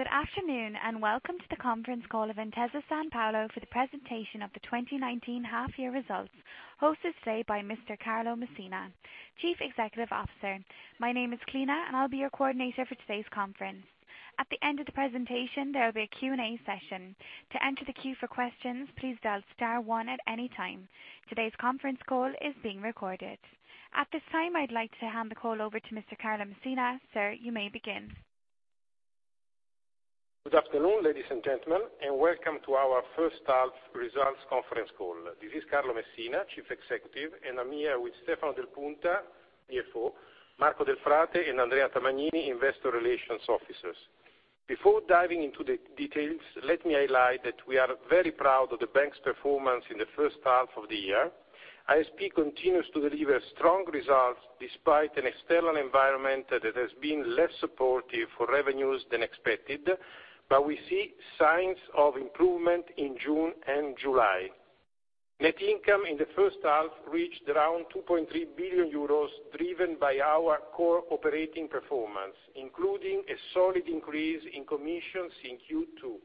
Good afternoon, and welcome to the conference call of Intesa Sanpaolo for the presentation of the 2019 half-year results, hosted today by Mr Carlo Messina, Chief Executive Officer. My name is Clina, and I'll be your coordinator for today's conference. At the end of the presentation, there will be a Q&A session. To enter the queue for questions, please dial star one at any time. Today's conference call is being recorded. At this time, I'd like to hand the call over to Mr Carlo Messina. Sir, you may begin. Good afternoon, ladies and gentlemen, welcome to our first half results conference call. This is Carlo Messina, Chief Executive, and I'm here with Stefano Del Punta, CFO, Marco Del Frate and Andrea Tamagnini, investor relations officers. Before diving into the details, let me highlight that we are very proud of the bank's performance in the first half of the year. ISP continues to deliver strong results despite an external environment that has been less supportive for revenues than expected, but we see signs of improvement in June and July. Net income in the first half reached around 2.3 billion euros, driven by our core operating performance, including a solid increase in commissions in Q2.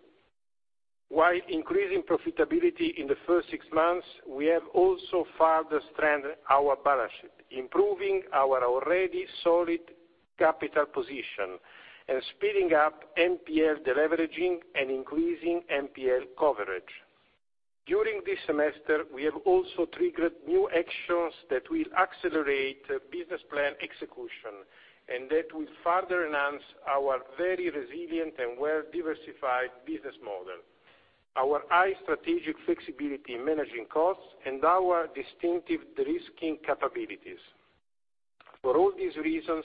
While increasing profitability in the first six months, we have also further strengthened our balance sheet, improving our already solid capital position and speeding up NPL deleveraging and increasing NPL coverage. During this semester, we have also triggered new actions that will accelerate business plan execution and that will further enhance our very resilient and well-diversified business model, our high strategic flexibility in managing costs, and our distinctive de-risking capabilities. For all these reasons,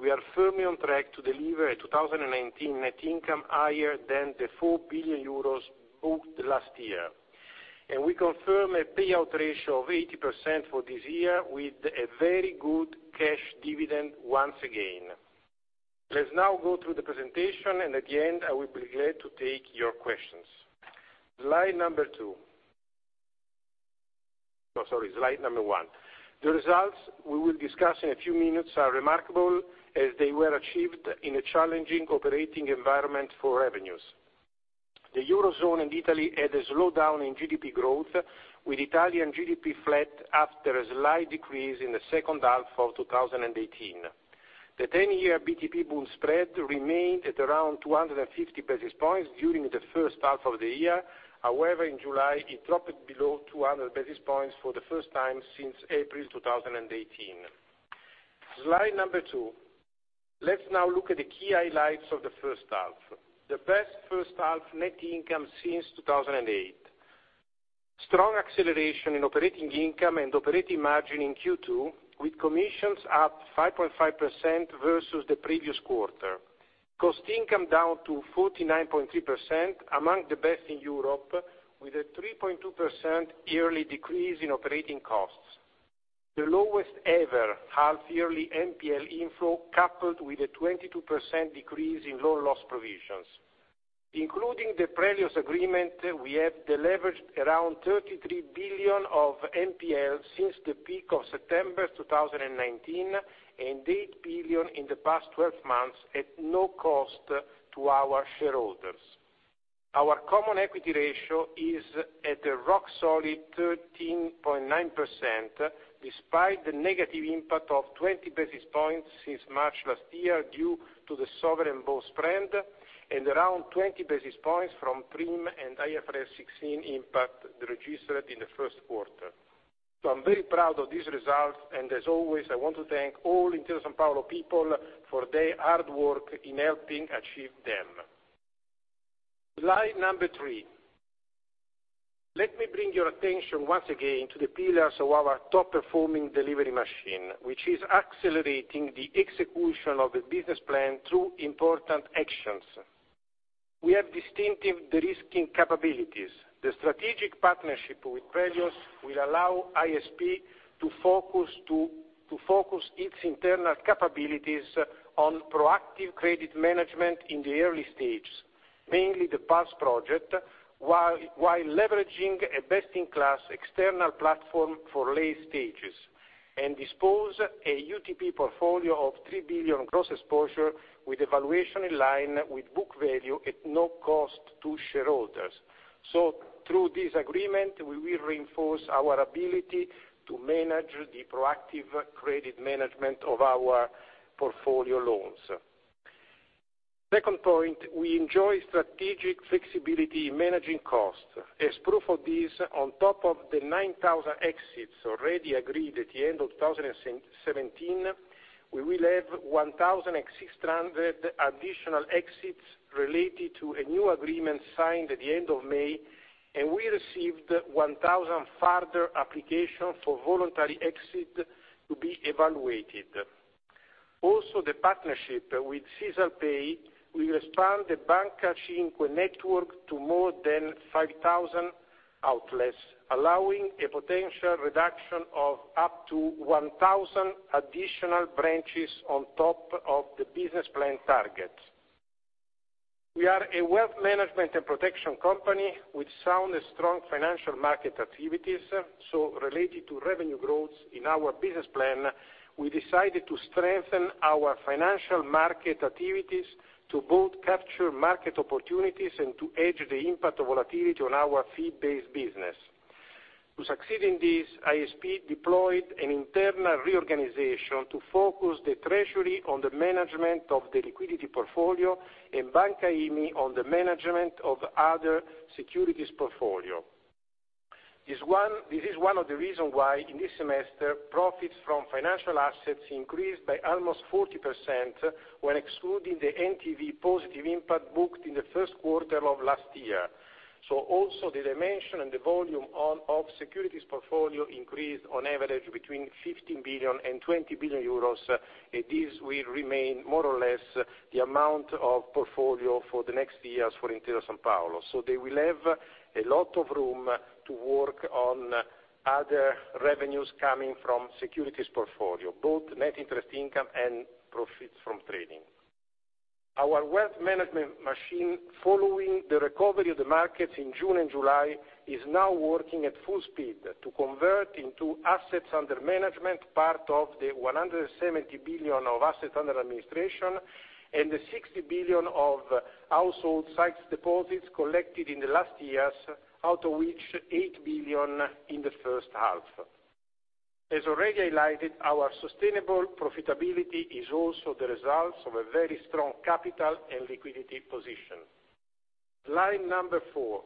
we are firmly on track to deliver a 2019 net income higher than the 4 billion euros booked last year, and we confirm a payout ratio of 80% for this year with a very good cash dividend once again. At the end, I will be glad to take your questions. Slide number two. No, sorry, slide number one. The results we will discuss in a few minutes are remarkable as they were achieved in a challenging operating environment for revenues. The Eurozone and Italy had a slowdown in GDP growth, with Italian GDP flat after a slight decrease in the second half of 2018. The 10-year BTP bund spread remained at around 250 basis points during the first half of the year. However, in July, it dropped below 200 basis points for the first time since April 2018. Slide number two. Let's now look at the key highlights of the first half. The best first half net income since 2008. Strong acceleration in operating income and operating margin in Q2, with commissions up 5.5% versus the previous quarter. Cost income down to 49.3%, among the best in Europe, with a 3.2% yearly decrease in operating costs. The lowest-ever half-yearly NPL inflow, coupled with a 22% decrease in loan loss provisions. Including the previous agreement, we have deleveraged around 33 billion of NPL since the peak of September 2019 and 8 billion in the past 12 months at no cost to our shareholders. Our common equity ratio is at a rock solid 13.9%, despite the negative impact of 20 basis points since March last year due to the sovereign bond spread and around 20 basis points from TRIM and IFRS 16 impact registered in the first quarter. I'm very proud of this result, and as always, I want to thank all Intesa Sanpaolo people for their hard work in helping achieve them. Slide number three. Let me bring your attention once again to the pillars of our top-performing delivery machine, which is accelerating the execution of the business plan through important actions. We have distinctive de-risking capabilities. The strategic partnership with Prelios will allow ISP to focus its internal capabilities on proactive credit management in the early stages, mainly the Pulse project, while leveraging a best-in-class external platform for late stages and dispose a UTP portfolio of 3 billion gross exposure with evaluation in line with book value at no cost to shareholders. Through this agreement, we will reinforce our ability to manage the proactive credit management of our portfolio loans. Second point, we enjoy strategic flexibility in managing costs. As proof of this, on top of the 9,000 exits already agreed at the end of 2017, we will have 1,600 additional exits related to a new agreement signed at the end of May, and we received 1,000 further applications for voluntary exit to be evaluated. The partnership with SisalPay will expand the Banca 5 network to more than 5,000 outlets, allowing a potential reduction of up to 1,000 additional branches on top of the business plan target. We are a wealth management and protection company with sound and strong financial market activities, related to revenue growth in our business plan, we decided to strengthen our financial market activities to both capture market opportunities and to hedge the impact of volatility on our fee-based business. To succeed in this, ISP deployed an internal reorganization to focus the treasury on the management of the liquidity portfolio and Banca IMI on the management of other securities portfolio. This is one of the reasons why in this semester, profits from financial assets increased by almost 40% when excluding the NTV positive impact booked in the first quarter of last year. Also the dimension and the volume of securities portfolio increased on average between 15 billion and 20 billion euros, and this will remain more or less the amount of portfolio for the next years for Intesa Sanpaolo. They will have a lot of room to work on other revenues coming from securities portfolio, both net interest income and profits from trading. Our wealth management machine, following the recovery of the markets in June and July, is now working at full speed to convert into assets under management, part of the 170 billion of assets under administration, and the 60 billion of household sight deposits collected in the last years, out of which 8 billion in the first half. As already highlighted, our sustainable profitability is also the result of a very strong capital and liquidity position. Slide number four.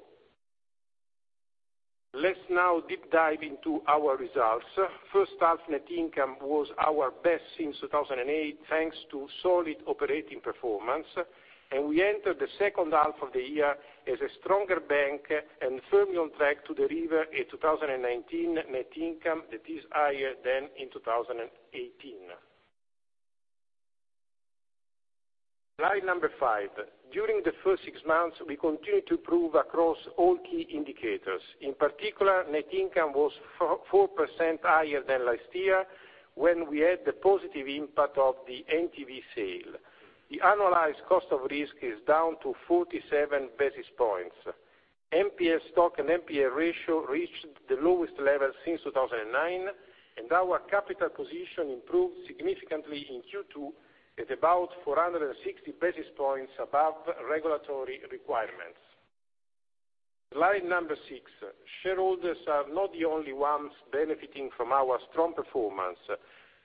Let's now deep dive into our results. First half net income was our best since 2008, thanks to solid operating performance. We entered the second half of the year as a stronger bank and firmly on track to deliver a 2019 net income that is higher than in 2018. Slide number five. During the first six months, we continued to prove across all key indicators. In particular, net income was 4% higher than last year, when we had the positive impact of the NTV sale. The annualized cost of risk is down to 47 basis points. NPL stock and NPL ratio reached the lowest level since 2009. Our capital position improved significantly in Q2 at about 460 basis points above regulatory requirements. Slide number six. Shareholders are not the only ones benefiting from our strong performance.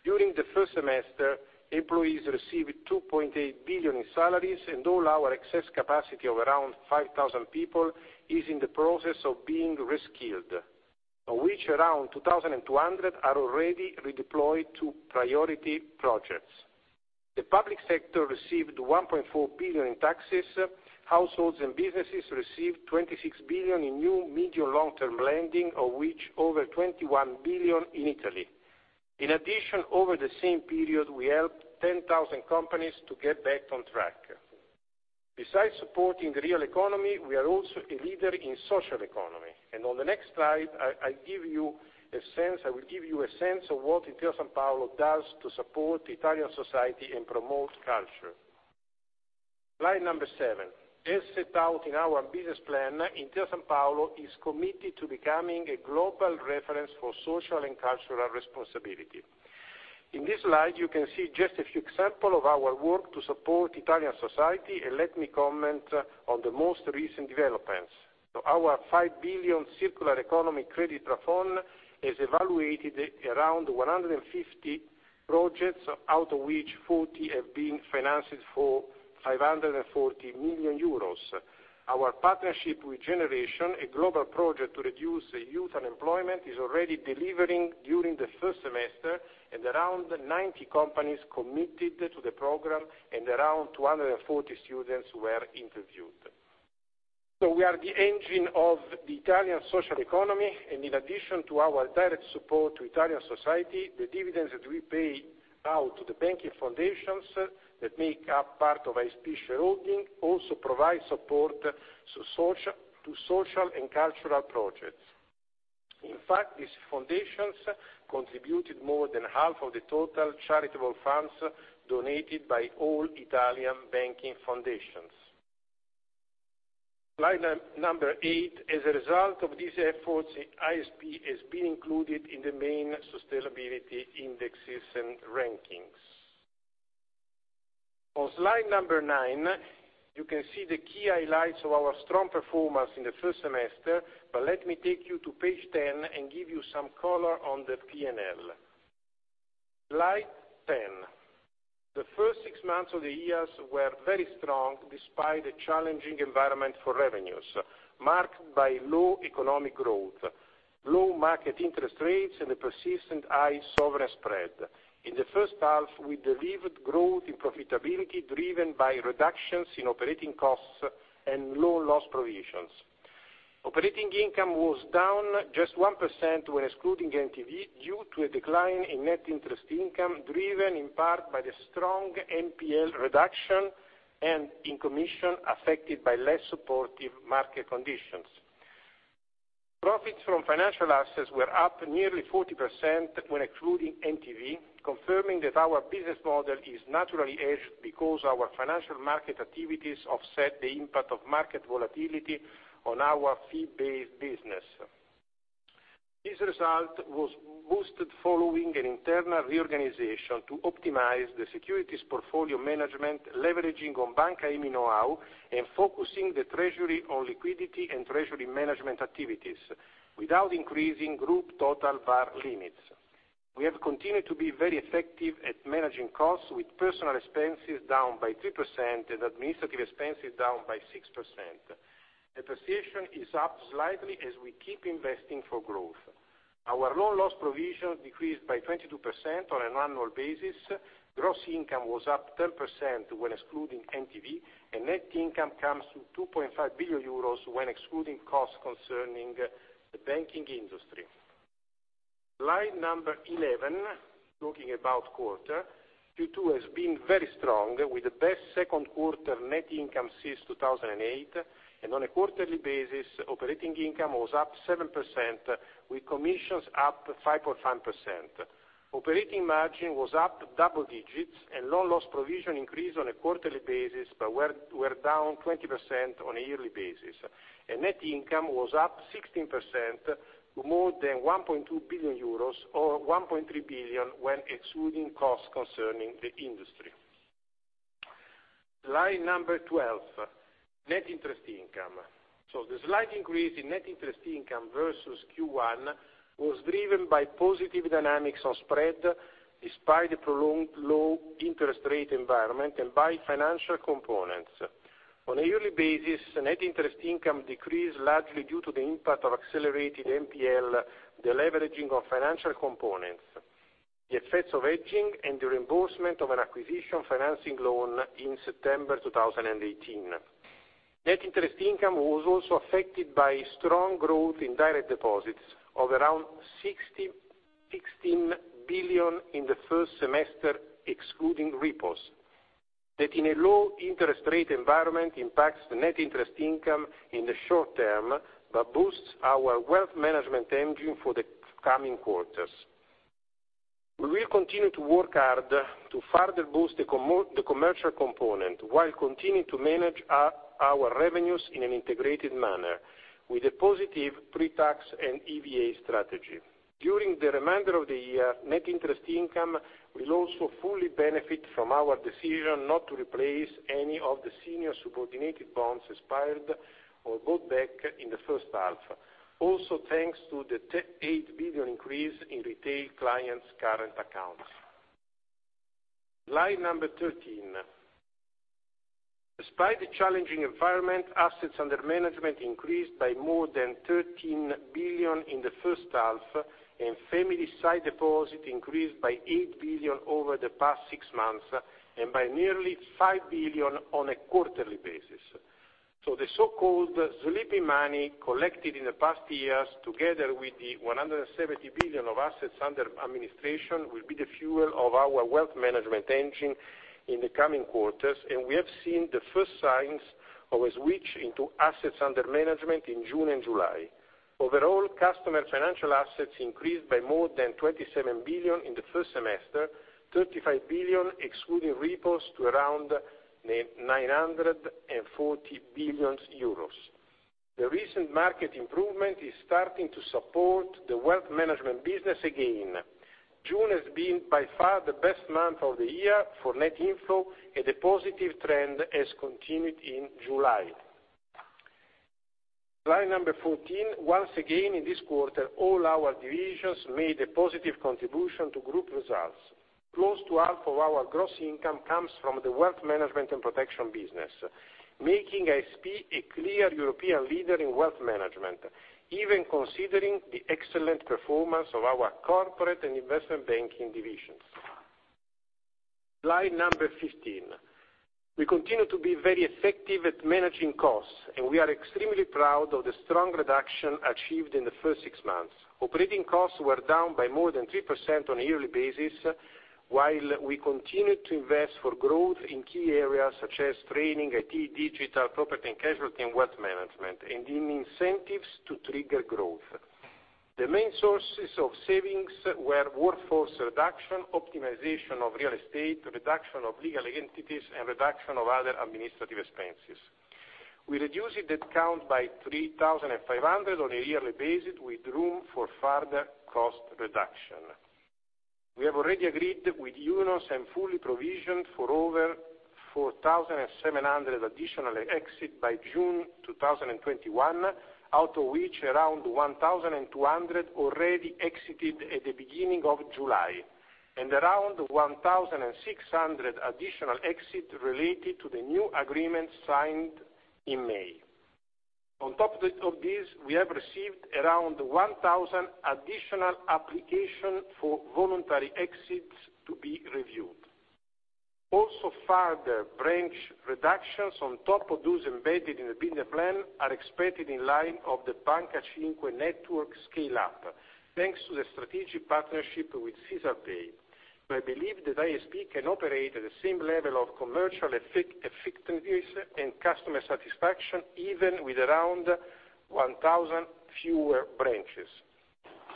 During the first semester, employees received 2.8 billion in salaries, and all our excess capacity of around 5,000 people is in the process of being reskilled. Of which around 2,200 are already redeployed to priority projects. The public sector received 1.4 billion in taxes. Households and businesses received 26 billion in new medium long-term lending, of which over 21 billion in Italy. In addition, over the same period, we helped 10,000 companies to get back on track. Besides supporting the real economy, we are also a leader in social economy, and on the next slide, I will give you a sense of what Intesa Sanpaolo does to support Italian society and promote culture. Slide seven. As set out in our business plan, Intesa Sanpaolo is committed to becoming a global reference for social and cultural responsibility. In this slide, you can see just a few examples of our work to support Italian society, and let me comment on the most recent developments. Our 5 billion Circular Economy Credit Plafond has evaluated around 150 projects, out of which 40 have been financed for 540 million euros. Our partnership with Generation, a global project to reduce youth unemployment, is already delivering during the first semester, around 90 companies committed to the program, and around 240 students were interviewed. We are the engine of the Italian social economy, in addition to our direct support to Italian society, the dividends that we pay out to the banking foundations that make up part of ISP shareholding also provide support to social and cultural projects. In fact, these foundations contributed more than half of the total charitable funds donated by all Italian banking foundations. Slide number eight. As a result of these efforts, ISP has been included in the main sustainability indexes and rankings. On slide number nine, you can see the key highlights of our strong performance in the first semester. Let me take you to page 10 and give you some color on the P&L. Slide 10. The first six months of the year were very strong despite a challenging environment for revenues, marked by low economic growth, low market interest rates, and a persistent high sovereign spread. In the first half, we delivered growth in profitability driven by reductions in operating costs and low loss provisions. Operating income was down just 1% when excluding NTV due to a decline in net interest income, driven in part by the strong NPL reduction and commissions affected by less supportive market conditions. Profits from financial assets were up nearly 40% when excluding NTV, confirming that our business model is naturally hedged because our financial market activities offset the impact of market volatility on our fee-based business. This result was boosted following an internal reorganization to optimize the securities portfolio management, leveraging on Banca IMI know-how, and focusing the treasury on liquidity and treasury management activities without increasing group total VaR limits. We have continued to be very effective at managing costs, with personal expenses down by 3% and administrative expenses down by 6%. Depreciation is up slightly as we keep investing for growth. Our loan loss provision decreased by 22% on an annual basis. Gross income was up 10% when excluding NTV, and net income comes to 2.5 billion euros when excluding costs concerning the banking industry. Slide number 11, talking about quarter. Q2 has been very strong, with the best second quarter net income since 2008. On a quarterly basis, operating income was up 7%, with commissions up 5.5%. Operating margin was up double digits. Loan loss provision increased on a quarterly basis, but were down 20% on a yearly basis. Net income was up 16% to more than 1.2 billion euros, or 1.3 billion when excluding costs concerning the industry. Slide number 12, net interest income. The slight increase in net interest income versus Q1 was driven by positive dynamics on spread, despite the prolonged low interest rate environment and by financial components. On a yearly basis, net interest income decreased largely due to the impact of accelerated NPL, the deleveraging of financial components, the effects of aging, and the reimbursement of an acquisition financing loan in September 2018. Net interest income was also affected by strong growth in direct deposits of around 16 billion in the first semester, excluding repos. That, in a low interest rate environment, impacts the net interest income in the short term, but boosts our wealth management engine for the coming quarters. We will continue to work hard to further boost the commercial component, while continuing to manage our revenues in an integrated manner, with a positive pretax and EVA strategy. During the remainder of the year, net interest income will also fully benefit from our decision not to replace any of the senior subordinated bonds expired or bought back in the first half. Also, thanks to the 8 billion increase in retail clients' current accounts. Slide number 13. Despite the challenging environment, assets under management increased by more than 13 billion in the first half, and family-side deposit increased by 8 billion over the past six months, and by nearly 5 billion on a quarterly basis. The so-called sleeping money collected in the past years, together with the 170 billion of assets under administration, will be the fuel of our wealth management engine in the coming quarters, and we have seen the first signs of a switch into assets under management in June and July. Overall, customer financial assets increased by more than 27 billion in the first semester, 35 billion excluding repos, to around 940 billion euros. The recent market improvement is starting to support the wealth management business again. June has been by far the best month of the year for net inflow, and the positive trend has continued in July. Slide number 14. Once again, in this quarter, all our divisions made a positive contribution to group results. Close to half of our gross income comes from the wealth management and protection business, making ISP a clear European leader in wealth management, even considering the excellent performance of our corporate and investment banking divisions. Slide number 15. We continue to be very effective at managing costs, and we are extremely proud of the strong reduction achieved in the first six months. Operating costs were down by more than 3% on a yearly basis, while we continued to invest for growth in key areas such as training, IT, digital, property and casualty, and wealth management, and in incentives to trigger growth. The main sources of savings were workforce reduction, optimization of real estate, reduction of legal entities, and reduction of other administrative expenses. We reduced head count by 3,500 on a yearly basis, with room for further cost reduction. We have already agreed with unions and fully provisioned for over 4,700 additional exits by June 2021, out of which around 1,200 already exited at the beginning of July, and around 1,600 additional exits related to the new agreement signed in May. On top of this, we have received around 1,000 additional applications for voluntary exits to be reviewed. Further branch reductions on top of those embedded in the business plan are expected in line of the Banca 5 network scale-up, thanks to the strategic partnership with SisalPay. We believe that ISP can operate at the same level of commercial effectiveness and customer satisfaction, even with around 1,000 fewer branches.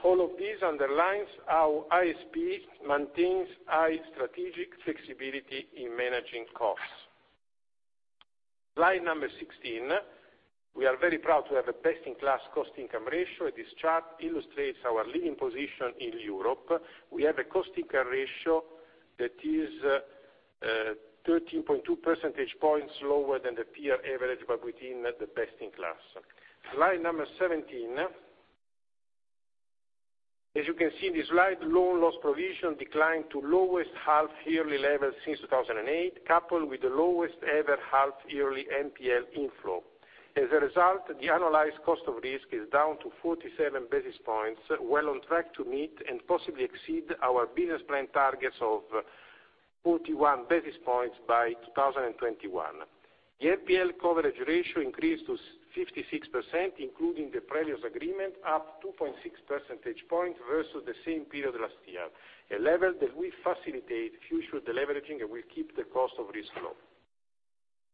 All of this underlines how ISP maintains high strategic flexibility in managing costs. Slide number 16. We are very proud to have a best-in-class cost-income ratio. This chart illustrates our leading position in Europe. We have a cost-income ratio that is 13.2 percentage points lower than the peer average, but within the best in class. Slide number 17. As you can see in this slide, loan loss provision declined to lowest half yearly level since 2008, coupled with the lowest ever half yearly NPL inflow. As a result, the analyzed cost of risk is down to 47 basis points, well on track to meet and possibly exceed our business plan targets of 41 basis points by 2021. The NPL coverage ratio increased to 56%, including the previous agreement, up 2.6 percentage points versus the same period last year, a level that will facilitate future deleveraging and will keep the cost of risk low.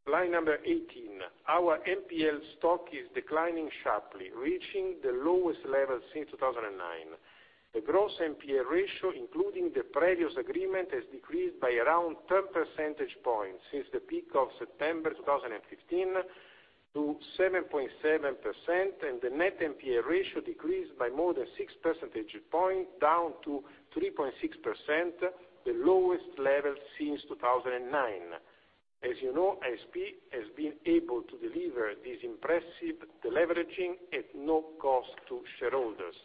Slide number 18. Our NPL stock is declining sharply, reaching the lowest level since 2009. The gross NPL ratio, including the previous agreement, has decreased by around 10 percentage points since the peak of September 2015 to 7.7%, and the net NPL ratio decreased by more than 6 percentage points, down to 3.6%, the lowest level since 2009. As you know, ISP has been able to deliver this impressive deleveraging at no cost to shareholders.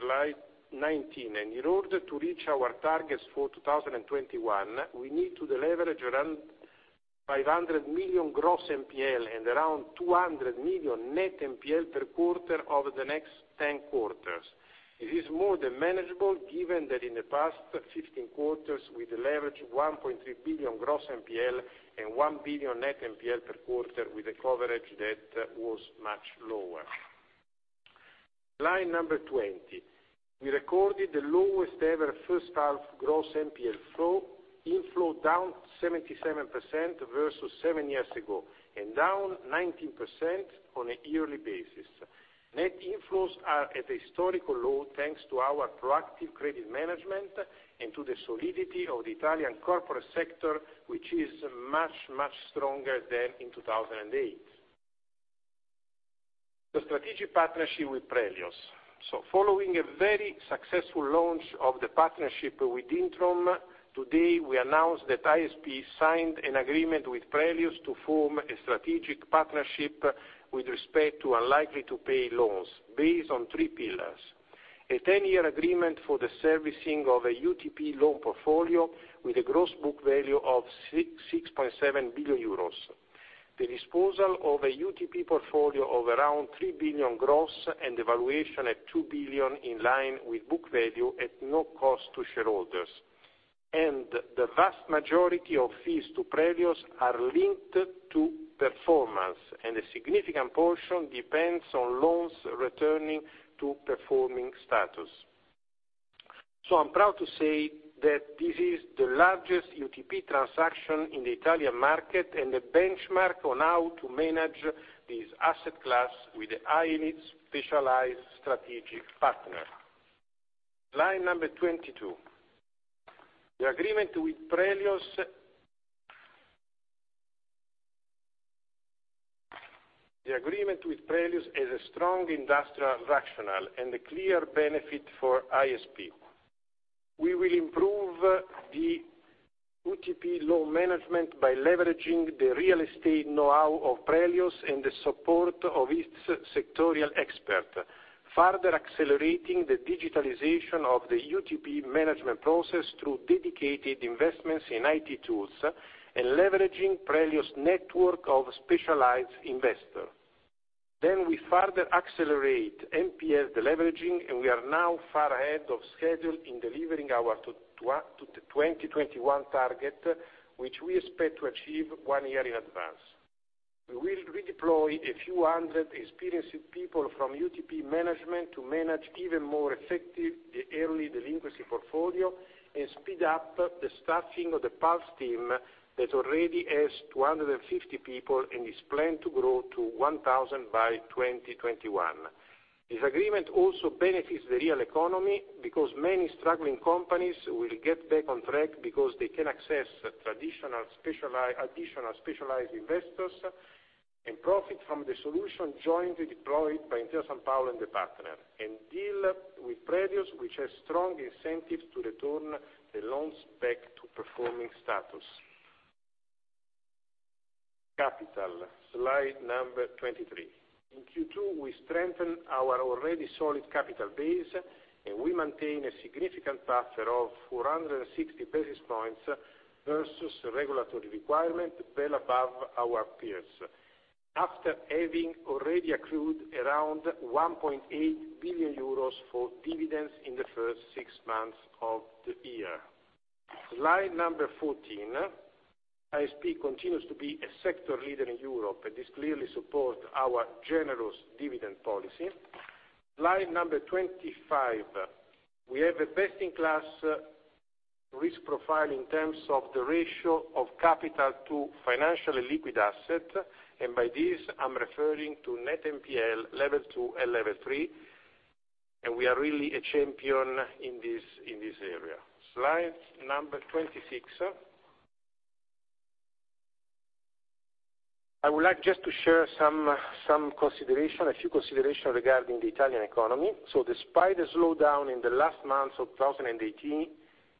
Slide 19. In order to reach our targets for 2021, we need to deleverage around 500 million gross NPL and around 200 million net NPL per quarter over the next 10 quarters. It is more than manageable given that in the past 15 quarters, we deleveraged 1.3 billion gross NPL and 1 billion net NPL per quarter with a coverage that was much lower. Slide number 20. We recorded the lowest ever first half gross NPE inflow, down 77% versus seven years ago, and down 19% on a yearly basis. Net inflows are at a historical low, thanks to our proactive credit management and to the solidity of the Italian corporate sector, which is much, much stronger than in 2008. The strategic partnership with Prelios. Following a very successful launch of the partnership with Intrum, today we announced that ISP signed an agreement with Prelios to form a strategic partnership with respect to unlikely to pay loans based on three pillars. A 10-year agreement for the servicing of a UTP loan portfolio with a gross book value of 6.7 billion euros. The disposal of a UTP portfolio of around 3 billion gross and valuation at 2 billion in line with book value at no cost to shareholders. The vast majority of fees to Prelios are linked to performance, and a significant portion depends on loans returning to performing status. I'm proud to say that this is the largest UTP transaction in the Italian market and the benchmark on how to manage this asset class with a highly specialized strategic partner. Slide number 22. The agreement with Prelios has a strong industrial rationale and a clear benefit for ISP. We will improve the UTP loan management by leveraging the real estate know-how of Prelios and the support of its sectorial expert, further accelerating the digitalization of the UTP management process through dedicated investments in IT tools and leveraging Prelios' network of specialized investors. We further accelerate NPL deleveraging, and we are now far ahead of schedule in delivering our 2021 target, which we expect to achieve one year in advance. We will redeploy a few hundred experienced people from UTP management to manage even more effective the early delinquency portfolio and speed up the staffing of the Pulse team that already has 250 people and is planned to grow to 1,000 by 2021. This agreement also benefits the real economy because many struggling companies will get back on track because they can access additional specialized investors and profit from the solution jointly deployed by Intesa Sanpaolo and the partner, and deal with Prelios, which has strong incentives to return the loans back to performing status. Capital. Slide number 23. In Q2, we strengthen our already solid capital base, and we maintain a significant buffer of 460 basis points versus regulatory requirement well above our peers, after having already accrued around 1.8 billion euros for dividends in the first six months of the year. Slide number 14. ISP continues to be a sector leader in Europe, this clearly supports our generous dividend policy. Slide number 25. We have a best-in-class risk profile in terms of the ratio of capital to financially liquid asset, by this, I'm referring to net NPL level two and level three, we are really a champion in this area. Slide number 26. I would like just to share a few considerations regarding the Italian economy. Despite the slowdown in the last months of 2018,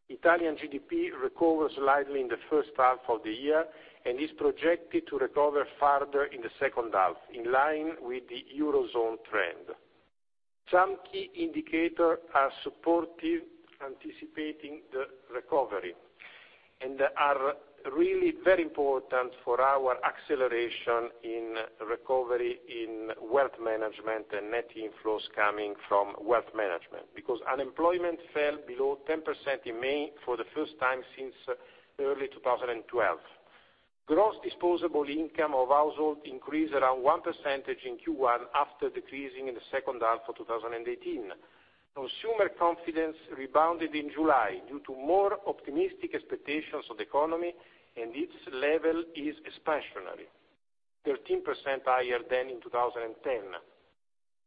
Italian GDP recovered slightly in the first half of the year and is projected to recover further in the second half, in line with the Eurozone trend. Some key indicators are supportive, anticipating the recovery and are really very important for our acceleration in recovery in wealth management and net inflows coming from wealth management, because unemployment fell below 10% in May for the first time since early 2012. Gross disposable income of household increased around 1% in Q1 after decreasing in the second half of 2018. Consumer confidence rebounded in July due to more optimistic expectations of the economy, and its level is expansionary, 13% higher than in 2010.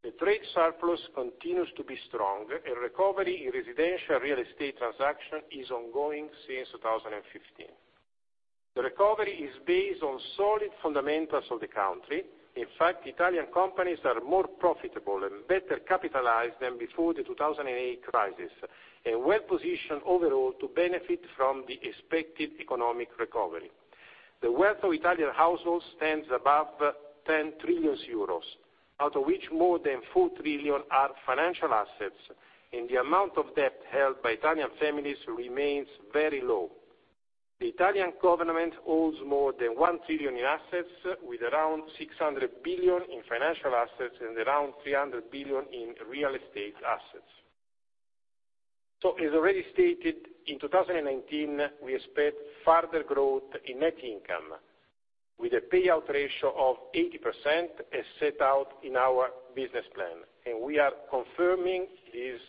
The trade surplus continues to be strong, and recovery in residential real estate transaction is ongoing since 2015. The recovery is based on solid fundamentals of the country. In fact, Italian companies are more profitable and better capitalized than before the 2008 crisis, and well-positioned overall to benefit from the expected economic recovery. The wealth of Italian households stands above 10 trillion euros, out of which more than 4 trillion are financial assets, and the amount of debt held by Italian families remains very low. The Italian government holds more than 1 trillion in assets, with around 600 billion in financial assets and around 300 billion in real estate assets. As already stated, in 2019, we expect further growth in net income with a payout ratio of 80% as set out in our business plan, and we are confirming this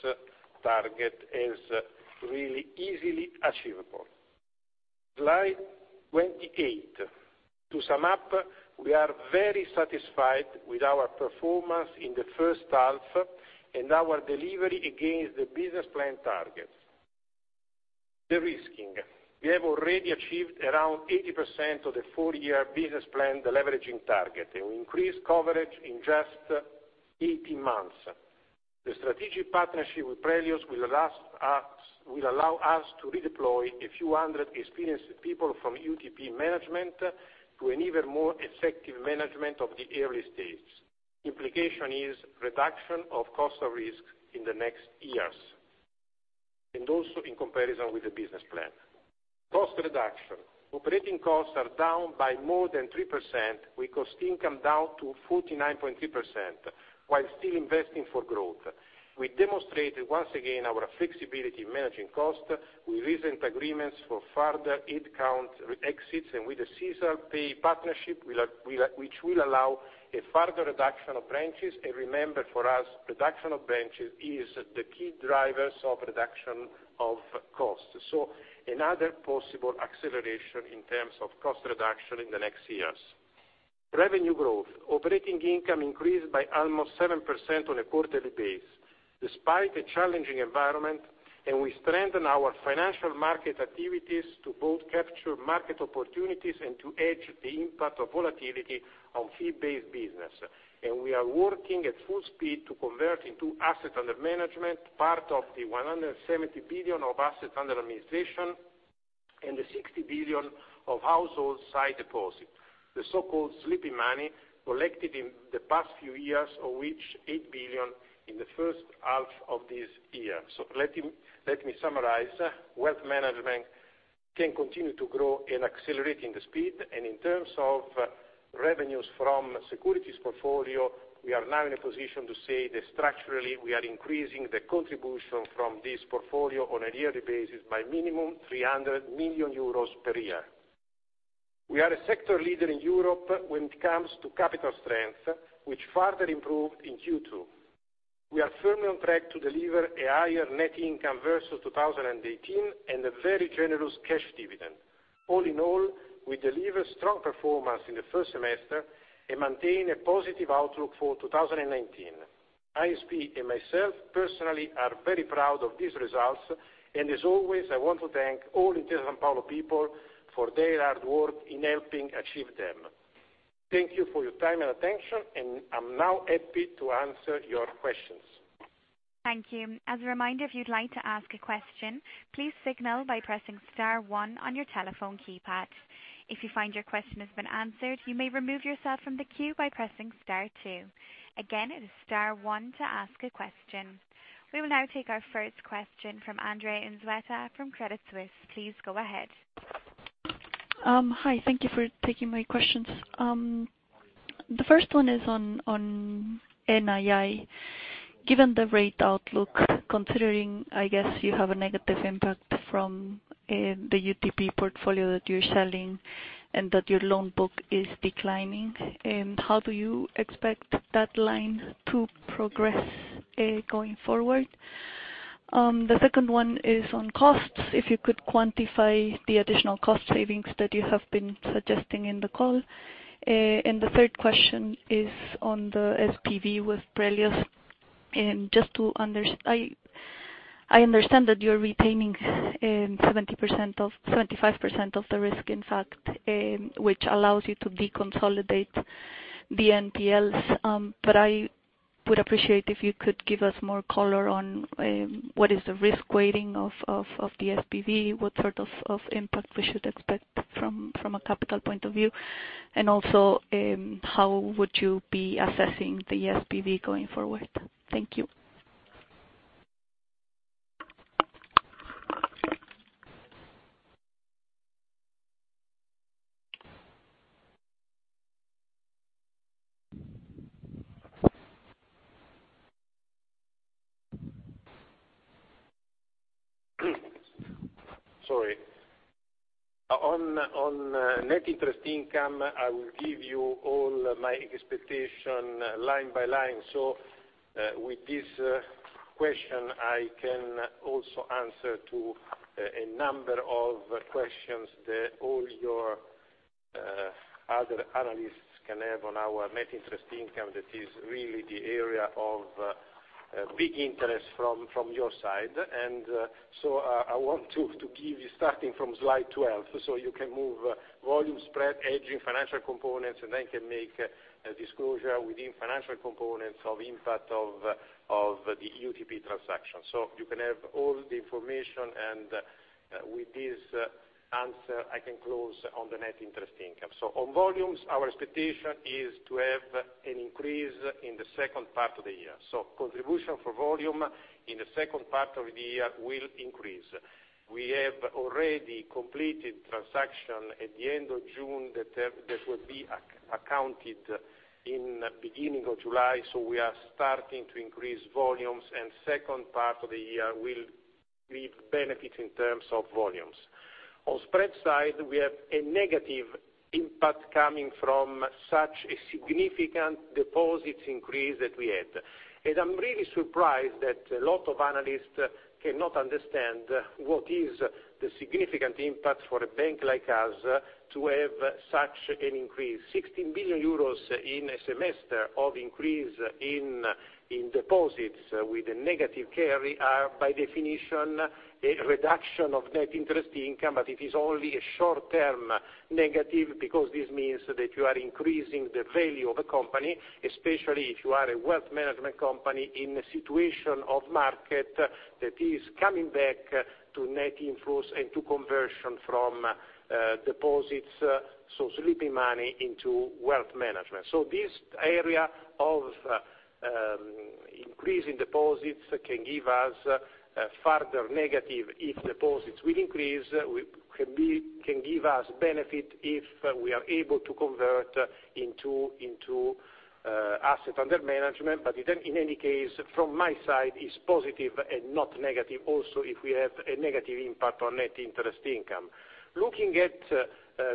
target as really easily achievable. Slide 28. To sum up, we are very satisfied with our performance in the first half and our delivery against the business plan targets. De-risking. We have already achieved around 80% of the four-year business plan deleveraging target, and we increased coverage in just 18 months. The strategic partnership with Prelios will allow us to redeploy a few hundred experienced people from UTP management to an even more effective management of the early stages. Implication is reduction of cost of risks in the next years, also in comparison with the business plan. Cost reduction. Operating costs are down by more than 3%, with cost income down to 49.3% while still investing for growth. We demonstrated once again our flexibility in managing cost with recent agreements for further head count exits and with the SisalPay partnership, which will allow a further reduction of branches. Remember, for us, reduction of branches is the key drivers of reduction of cost. Another possible acceleration in terms of cost reduction in the next years. Revenue growth. Operating income increased by almost 7% on a quarterly base despite a challenging environment, and we strengthen our financial market activities to both capture market opportunities and to hedge the impact of volatility on fee-based business. We are working at full speed to convert into asset under management, part of the 170 billion of assets under administration and the 60 billion of household sight deposit, the so-called sleeping money collected in the past few years, of which 8 billion in the first half of this year. Let me summarize. Wealth management can continue to grow in accelerating the speed, and in terms of revenues from securities portfolio, we are now in a position to say that structurally, we are increasing the contribution from this portfolio on a yearly basis by minimum 300 million euros per year. We are a sector leader in Europe when it comes to capital strength, which further improved in Q2. We are firmly on track to deliver a higher net income versus 2018 and a very generous cash dividend. All in all, we deliver strong performance in the first semester and maintain a positive outlook for 2019. ISP and myself personally are very proud of these results, and as always, I want to thank all Intesa Sanpaolo people for their hard work in helping achieve them. Thank you for your time and attention, and I'm now happy to answer your questions. Thank you. As a reminder, if you'd like to ask a question, please signal by pressing Star one on your telephone keypad. If you find your question has been answered, you may remove yourself from the queue by pressing Star two. Again, it is star one to ask a question. We will now take our first question from Andrea Unzueta from Credit Suisse. Please go ahead. Hi. Thank you for taking my questions. The first one is on NII. Given the rate outlook, considering, I guess you have a negative impact from the UTP portfolio that you're selling and that your loan book is declining, how do you expect that line to progress going forward? The second one is on costs, if you could quantify the additional cost savings that you have been suggesting in the call. The third question is on the SPV with Prelios. Just I understand that you're retaining 75% of the risk, in fact, which allows you to deconsolidate the NPLs. I would appreciate if you could give us more color on what is the risk weighting of the SPV, what sort of impact we should expect from a capital point of view, and also, how would you be assessing the SPV going forward? Thank you. Sorry. On net interest income, I will give you all my expectation line by line. With this question, I can also answer to a number of questions that all your other analysts can have on our net interest income. That is really the area of big interest from your side. I want to give you, starting from slide 12, so you can move volume, spread, aging, financial components, and I can make a disclosure within financial components of impact of the UTP transaction. You can have all the information, and with this answer, I can close on the net interest income. On volumes, our expectation is to have an increase in the second part of the year. Contribution for volume in the second part of the year will increase. We have already completed transaction at the end of June that will be accounted in beginning of July. We are starting to increase volumes. Second part of the year will reap benefits in terms of volumes. On spread side, we have a negative impact coming from such a significant deposits increase that we had. I'm really surprised that a lot of analysts cannot understand what is the significant impact for a bank like us to have such an increase. 16 billion euros in a semester of increase in deposits with a negative carry are by definition, a reduction of Net Interest Income. It is only a short-term negative because this means that you are increasing the value of a company, especially if you are a wealth management company in a situation of market that is coming back to net inflows and to conversion from deposits, so sleeping money into wealth management. This area of increase in deposits can give us a further negative if deposits will increase, can give us benefit if we are able to convert into asset under management. In any case, from my side, it's positive and not negative also if we have a negative impact on net interest income. Looking at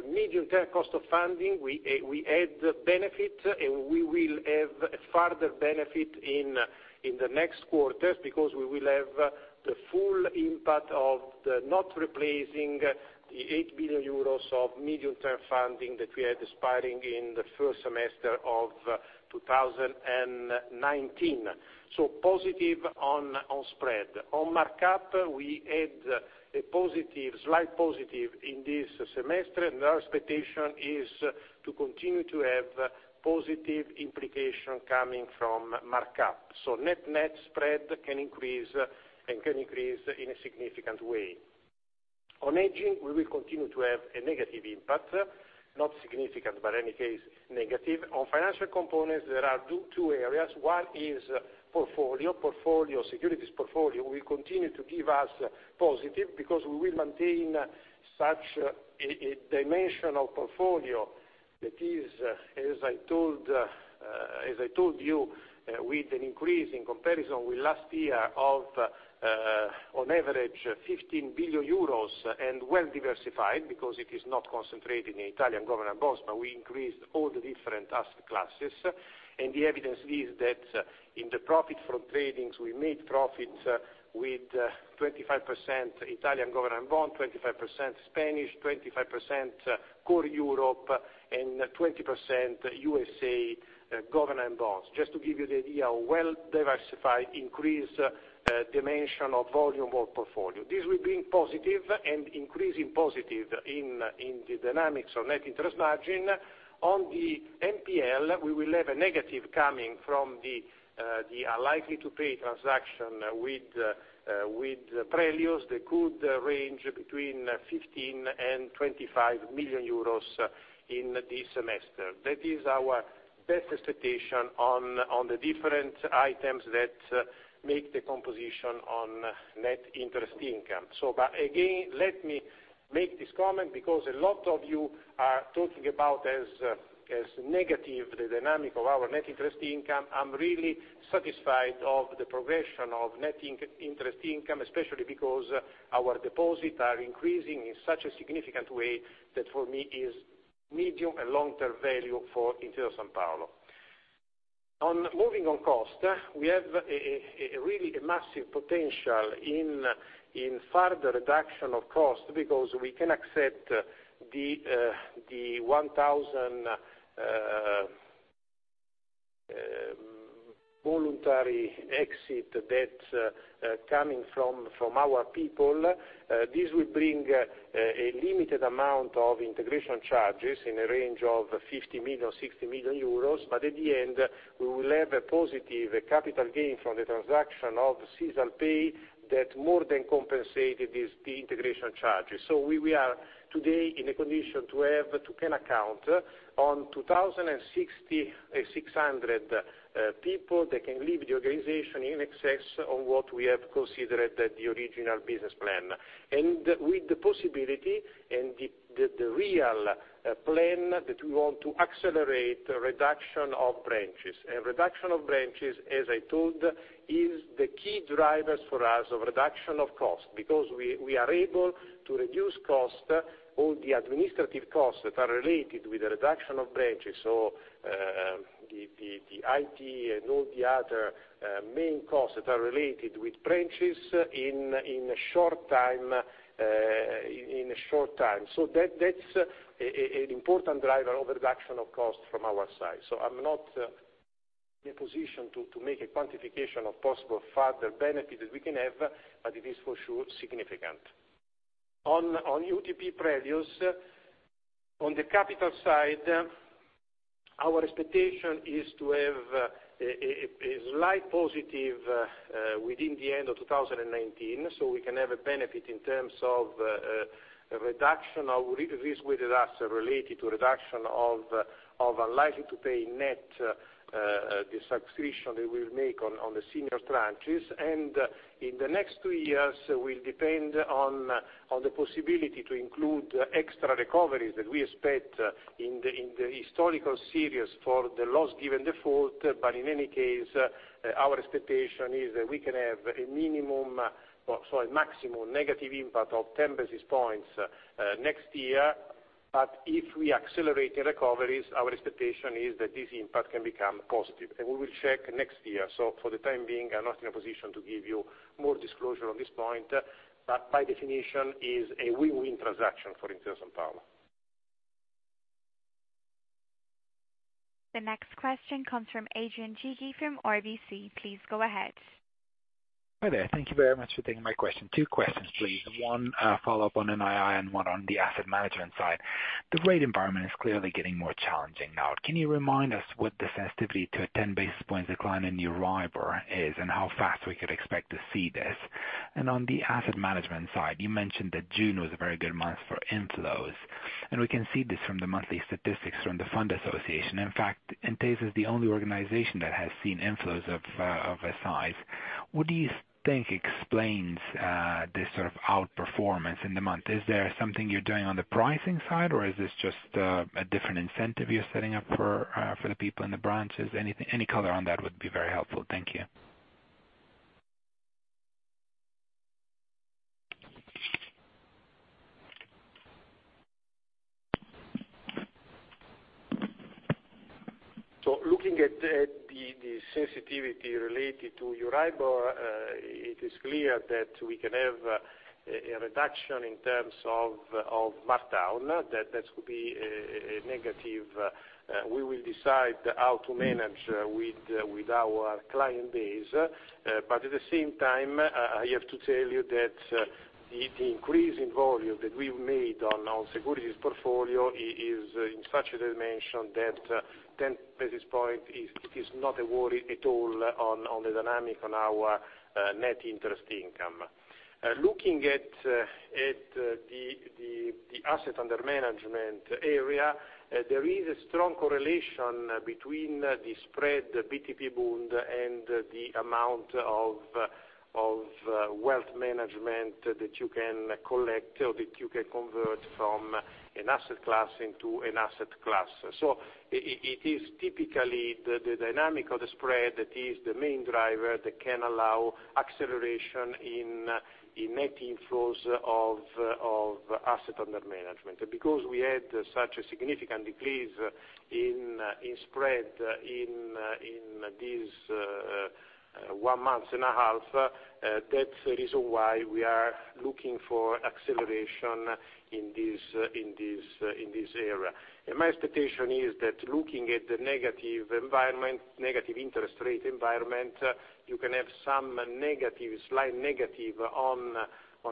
medium-term cost of funding, we had benefit, and we will have a further benefit in the next quarters because we will have the full impact of the not replacing the 8 billion euros of medium-term funding that we had expiring in the first semester of 2019. Positive on spread. On markup, we had a positive, slight positive in this semester, and our expectation is to continue to have positive implication coming from markup. Net spread can increase, and can increase in a significant way. On aging, we will continue to have a negative impact, not significant, but any case, negative. On financial components, there are two areas. One is portfolio. Securities portfolio will continue to give us positive because we will maintain such a dimension of portfolio that is, as I told you, with an increase in comparison with last year of, on average 15 billion euros and well-diversified because it is not concentrated in Italian government bonds, but we increased all the different asset classes. The evidence is that in the profit from tradings, we made profits with 25% Italian government bond, 25% Spanish, 25% core Europe, and 20% U.S. government bonds. Just to give you the idea, a well-diversified increase dimension of volume of portfolio. This will be positive and increasing positive in the dynamics of net interest margin. On the NPL, we will have a negative coming from the unlikely to pay transaction with Prelios. They could range between 15 million euros and EUR 20 million in this semester. That is our best expectation on the different items that make the composition on net interest income. Again, let me make this comment because a lot of you are talking about as negative, the dynamic of our net interest income. I'm really satisfied of the progression of net interest income, especially because our deposits are increasing in such a significant way that for me is medium and long-term value for Intesa Sanpaolo. Moving on cost, we have a really massive potential in further reduction of cost because we can accept the 1,000 Voluntary exit that's coming from our people. This will bring a limited amount of integration charges in the range of 50 million-60 million euros. At the end, we will have a positive capital gain from the transaction of the SisalPay that more than compensated the integration charges. We are today in a condition to can account on 2,600 people that can leave the organization in excess of what we have considered at the original business plan. With the possibility and the real plan that we want to accelerate the reduction of branches. A reduction of branches, as I told, is the key drivers for us of reduction of cost, because we are able to reduce costs, all the administrative costs that are related with the reduction of branches. The IT and all the other main costs that are related with branches in a short time. That's an important driver of reduction of cost from our side. I'm not in a position to make a quantification of possible further benefit that we can have, but it is for sure significant. On UTP previews, on the capital side, our expectation is to have a slight positive within the end of 2019, so we can have a benefit in terms of a reduction of risk-weighted assets related to reduction of unlikely to pay net, the subscription we will make on the senior tranches. In the next two years, will depend on the possibility to include extra recoveries that we expect in the historical series for the loss given default. In any case, our expectation is that we can have a maximum negative impact of 10 basis points next year. If we accelerate the recoveries, our expectation is that this impact can become positive, and we will check next year. For the time being, I'm not in a position to give you more disclosure on this point. By definition, is a win-win transaction for Intesa Sanpaolo. The next question comes from Adrian Cighi from RBC. Please go ahead. Hi there. Thank you very much for taking my question. Two questions, please. One, a follow-up on NII and one on the asset management side. The rate environment is clearly getting more challenging now. Can you remind us what the sensitivity to a 10 basis points decline in Euribor is, and how fast we could expect to see this? On the asset management side, you mentioned that June was a very good month for inflows. We can see this from the monthly statistics from the fund association. In fact, Intesa is the only organization that has seen inflows of a size. What do you think explains this sort of outperformance in the month? Is there something you're doing on the pricing side, or is this just a different incentive you're setting up for the people in the branches? Any color on that would be very helpful. Thank you. Looking at the sensitivity related to Euribor, it is clear that we can have a reduction in terms of markdown. That could be a negative. We will decide how to manage with our client base. At the same time, I have to tell you that the increase in volume that we’ve made on securities portfolio is in such a dimension that 10 basis point is not a worry at all on the dynamic on our net interest income. Looking at the asset under management area, there is a strong correlation between the spread BTP Bond and the amount of wealth management that you can collect, or that you can convert from an asset class into an asset class. It is typically the dynamic of the spread that is the main driver that can allow acceleration in net inflows of asset under management. We had such a significant decrease in spread in this one month and a half, that's the reason why we are looking for acceleration in this area. My expectation is that looking at the negative interest rate environment, you can have some slight negative on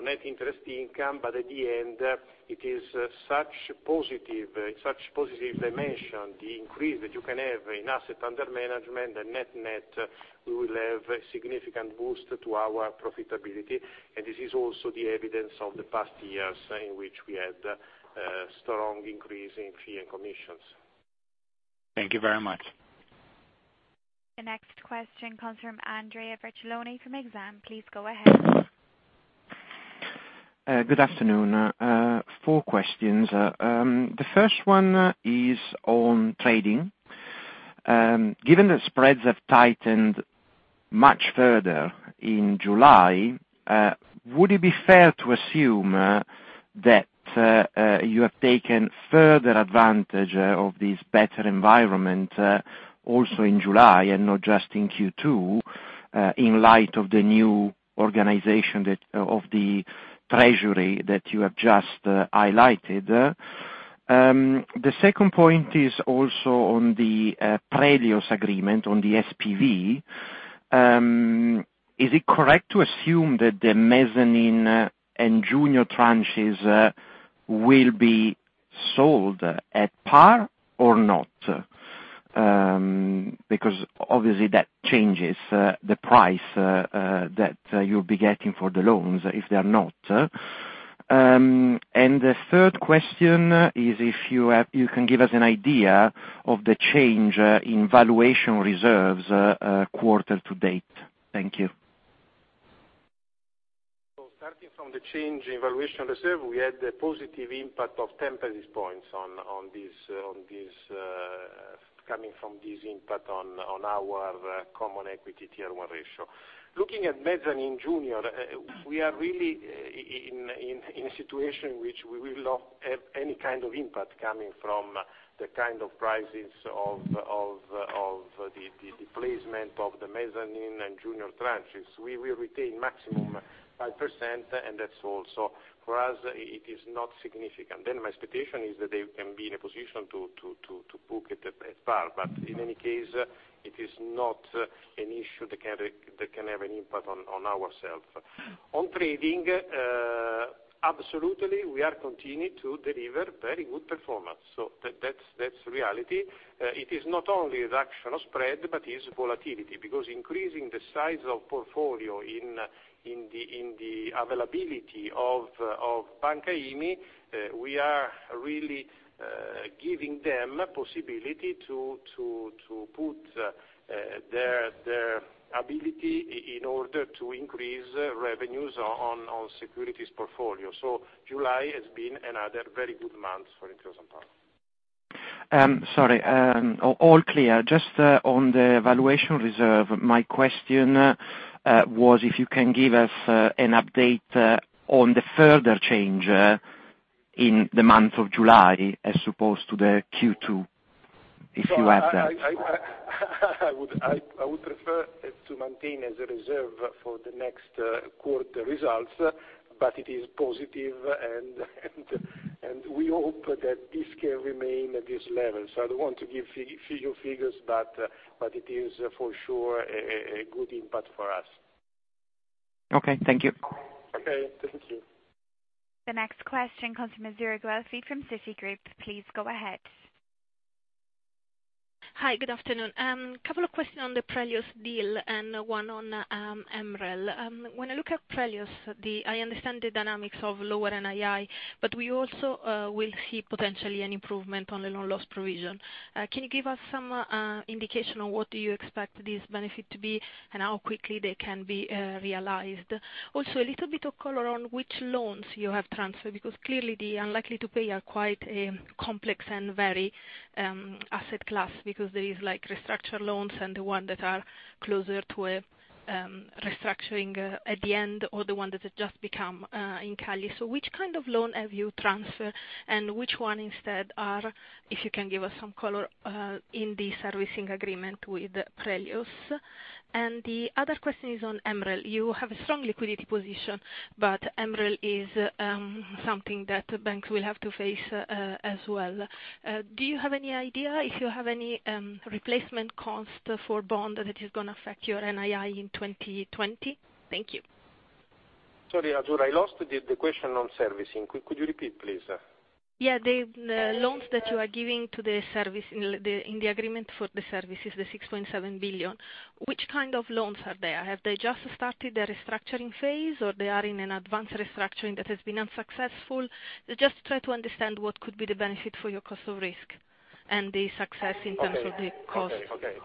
net interest income. At the end, it is such positive dimension, the increase that you can have in asset under management and net-net, we will have a significant boost to our profitability. This is also the evidence of the past years, in which we had a strong increase in fee and commissions. Thank you very much. The next question comes from Andrea Virtuoni from Exane. Please go ahead. Good afternoon. Four questions. The first one is on trading. Given that spreads have tightened much further in July, would it be fair to assume that you have taken further advantage of this better environment also in July and not just in Q2, in light of the new organization of the treasury that you have just highlighted? The second point is also on the Prelios agreement on the SPV. Is it correct to assume that the mezzanine and junior tranches will be sold at par or not? Obviously that changes the price that you'll be getting for the loans if they are not. The third question is if you can give us an idea of the change in valuation reserves quarter to date. Thank you. Starting from the change in valuation reserve, we had a positive impact of 10 basis points coming from this impact on our Common Equity Tier 1 ratio. Looking at mezzanine junior, we are really in a situation in which we will not have any kind of impact coming from the kind of prices of the placement of the mezzanine and junior tranches. We will retain maximum 5%, and that's all. For us, it is not significant. My expectation is that they can be in a position to book it at par. In any case, it is not an issue that can have an impact on ourselves. On trading, absolutely, we are continuing to deliver very good performance. That's the reality. It is not only reduction of spread, but is volatility. Because increasing the size of portfolio in the availability of Banca IMI, we are really giving them possibility to put their ability in order to increase revenues on securities portfolio. July has been another very good month for Intesa Sanpaolo. Sorry. All clear. Just on the valuation reserve, my question was if you can give us an update on the further change in the month of July as opposed to the Q2, if you have that. I would prefer to maintain as a reserve for the next quarter results, but it is positive and we hope that this can remain at this level. I don't want to give figures, but it is for sure a good impact for us. Okay, thank you. Okay, thank you. The next question comes from Azzurra Guelfi from Citigroup. Please go ahead. Hi, good afternoon. A couple of questions on the Prelios deal and one on MREL. When I look at Prelios, I understand the dynamics of lower NII, but we also will see potentially an improvement on the loan loss provision. Can you give us some indication on what do you expect this benefit to be, and how quickly they can be realized? A little bit of color on which loans you have transferred, because clearly the unlikely to pay are quite a complex and varied asset class, because there is restructure loans and the ones that are closer to a restructuring at the end, or the one that has just become in Cali. Which kind of loan have you transferred, and which one instead are, if you can give us some color, in the servicing agreement with Prelios? The other question is on MREL. You have a strong liquidity position. MREL is something that banks will have to face as well. Do you have any idea if you have any replacement cost for bond that is going to affect your NII in 2020? Thank you. Sorry, Azzurra, I lost the question on servicing. Could you repeat, please? Yeah, the loans that you are giving in the agreement for the services, the 6.7 billion, which kind of loans are they? Have they just started the restructuring phase, or they are in an advanced restructuring that has been unsuccessful? Just try to understand what could be the benefit for your cost of risk and the success in terms of the cost. Okay.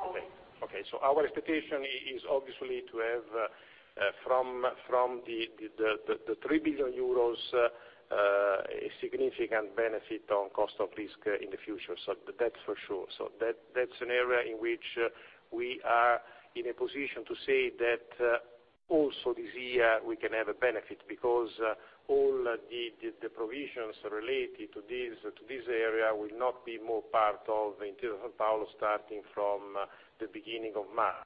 Our expectation is obviously to have, from the 3 billion euros, a significant benefit on cost of risk in the future. That's for sure. That's an area in which we are in a position to say that also this year we can have a benefit, because all the provisions related to this area will not be more part of Intesa Sanpaolo starting from the beginning of March.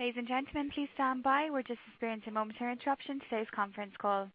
Ladies and gentlemen, please stand by. We're just experiencing a momentary interruption to today's conference call.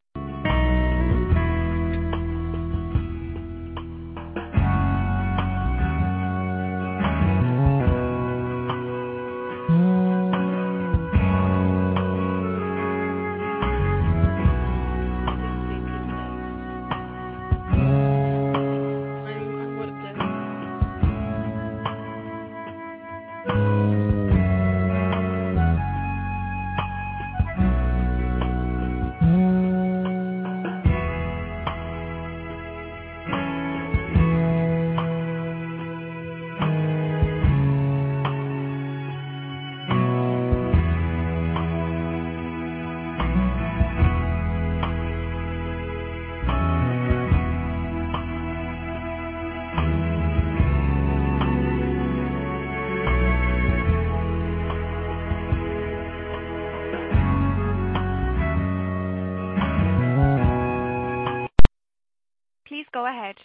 Please go ahead.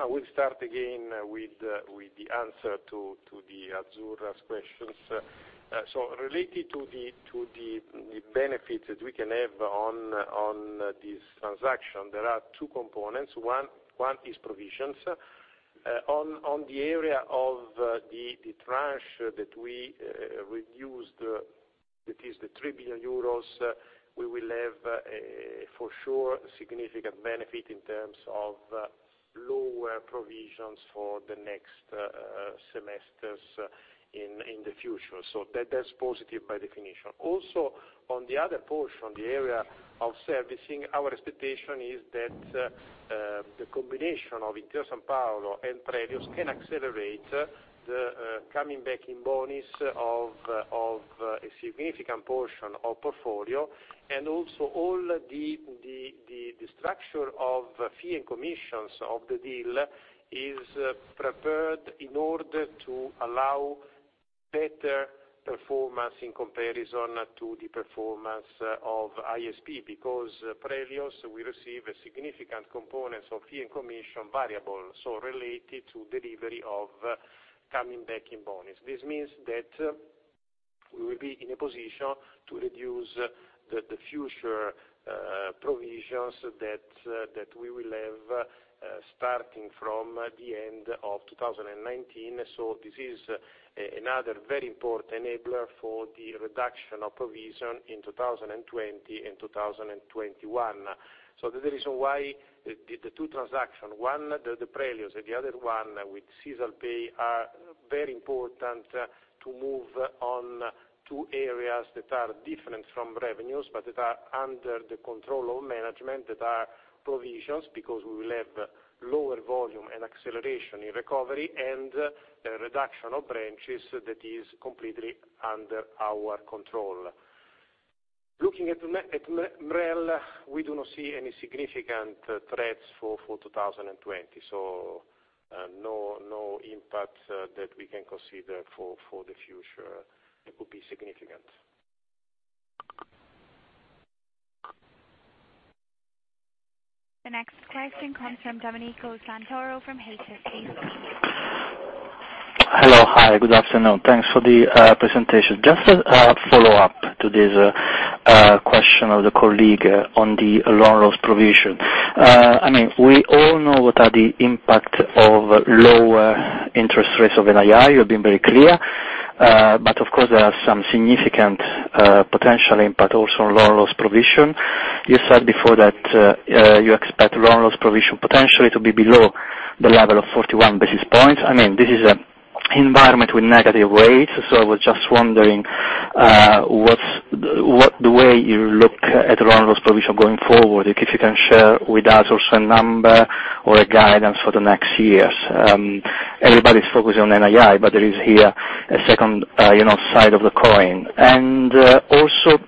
I will start again with the answer to the Azzurra questions. Related to the benefits that we can have on this transaction, there are two components. One is provisions. On the area of the tranche that we reduced, that is the 3 billion euros, we will have, for sure, significant benefit in terms of lower provisions for the next semesters in the future. That's positive by definition. Also, on the other portion, the area of servicing, our expectation is that the combination of Intesa Sanpaolo and Prelios can accelerate the coming back in bonus of a significant portion of portfolio, and also all the structure of fee and commissions of the deal is prepared in order to allow better performance in comparison to the performance of ISP. Because Prelios will receive significant components of fee and commission variable, so related to delivery of coming back in bonus. This means that we will be in a position to reduce the future provisions that we will have starting from the end of 2019. This is another very important enabler for the reduction of provision in 2020 and 2021. The reason why the two transaction, one, the Prelios, and the other one with SisalPay, are very important to move on two areas that are different from revenues, but that are under the control of management, that are provisions, because we will have lower volume and acceleration in recovery, and the reduction of branches that is completely under our control. Looking at MREL, we do not see any significant threats for 2020. No impact that we can consider for the future that could be significant. The next question comes from Domenico Santoro from HSBC. Hello. Hi, good afternoon. Thanks for the presentation. Just a follow-up to this question of the colleague on the loan loss provision. We all know what are the impact of lower interest rates of NII, you've been very clear. Of course, there are some significant potential impact also on loan loss provision. You said before that you expect loan loss provision potentially to be below the level of 41 basis points. This is an environment with negative rates. I was just wondering what the way you look at loan loss provision going forward, if you can share with us also a number or a guidance for the next years. Everybody's focused on NII. There is here a second side of the coin. Also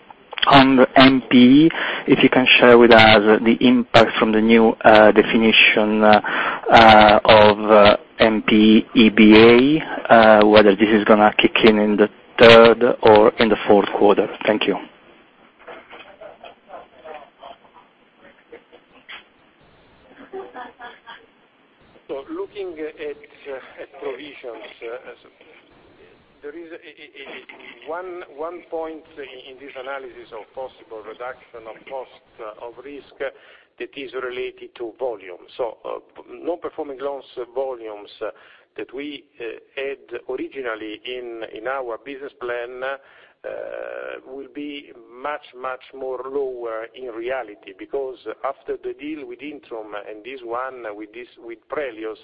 on NPE, if you can share with us the impact from the new definition of NPE EBA, whether this is going to kick in in the third or in the fourth quarter. Thank you. Looking at provisions, there is one point in this analysis of possible reduction of cost of risk that is related to volume. Non-performing loans volumes that we had originally in our business plan will be much, much more lower in reality, because after the deal with Intrum and this one with Prelios,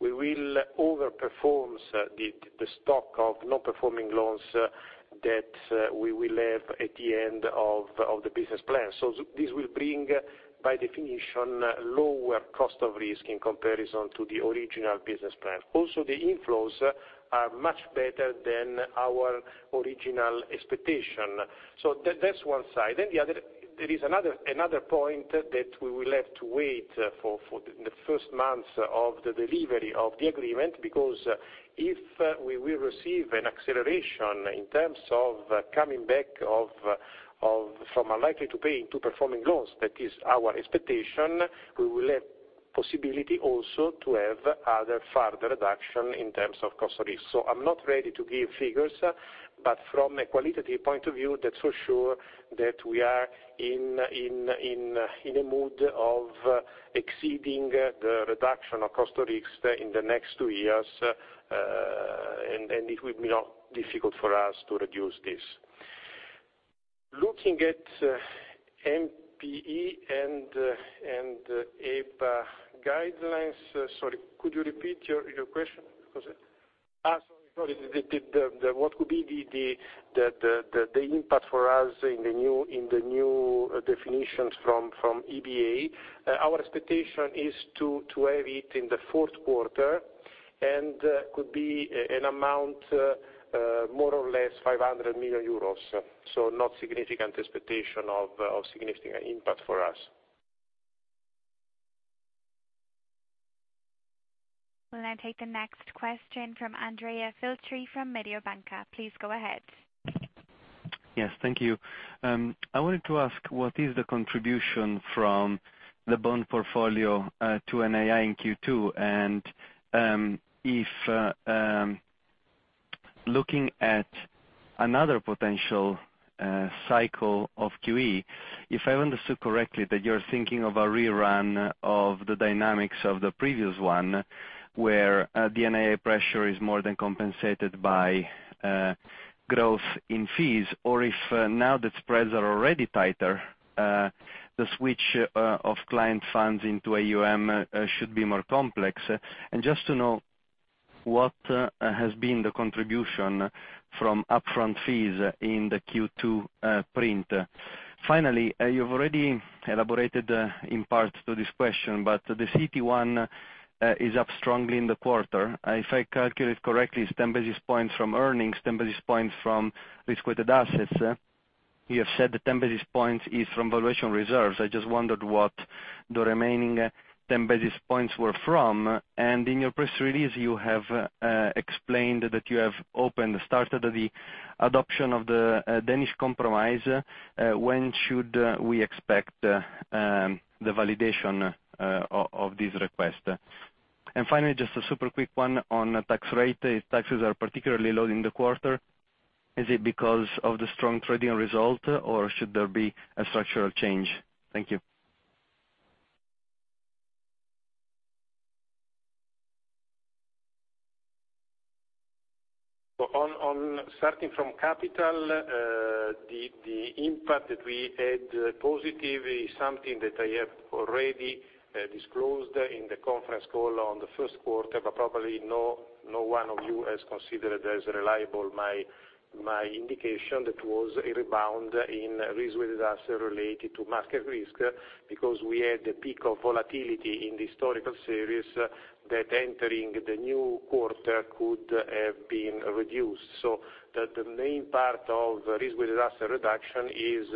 we will over-perform the stock of non-performing loans that we will have at the end of the business plan. This will bring, by definition, lower cost of risk in comparison to the original business plan. Also, the inflows are much better than our original expectation. That's one side. The other, there is another point that we will have to wait for the first months of the delivery of the agreement, because if we will receive an acceleration in terms of coming back from unlikely to pay into performing loans, that is our expectation, we will have possibility also to have other further reduction in terms of cost of risk. I am not ready to give figures, but from a qualitative point of view, that is for sure that we are in a mood of exceeding the reduction of cost of risk in the next two years, and it will be not difficult for us to reduce this. Looking at NPE and EBA guidelines, sorry, could you repeat your question? Sorry. What could be the impact for us in the new definitions from EBA? Our expectation is to have it in the fourth quarter. could be an amount more or less 500 million euros. not significant expectation of significant impact for us. We'll now take the next question from Andrea Filtri from Mediobanca. Please go ahead. Yes, thank you. I wanted to ask, what is the contribution from the bond portfolio to NII in Q2? If looking at another potential cycle of QE, if I understood correctly, that you're thinking of a rerun of the dynamics of the previous one, where NII pressure is more than compensated by growth in fees, or if now that spreads are already tighter, the switch of client funds into AUM should be more complex. Just to know, what has been the contribution from upfront fees in the Q2 print? Finally, you've already elaborated in part to this question, the CET1 is up strongly in the quarter. If I calculate correctly, it's 10 basis points from earnings, 10 basis points from risk-weighted assets. You have said that 10 basis points is from valuation reserves. I just wondered what the remaining 10 basis points were from. In your press release, you have explained that you have opened, started the adoption of the Danish Compromise. When should we expect the validation of this request? Finally, just a super quick one on tax rate. If taxes are particularly low in the quarter, is it because of the strong trading result, or should there be a structural change? Thank you. Starting from capital, the impact that we had positive is something that I have already disclosed in the conference call on the first quarter, probably no one of you has considered as reliable my indication that was a rebound in risk-weighted assets related to market risk, because we had a peak of volatility in the historical series that entering the new quarter could have been reduced. The main part of risk-weighted asset reduction is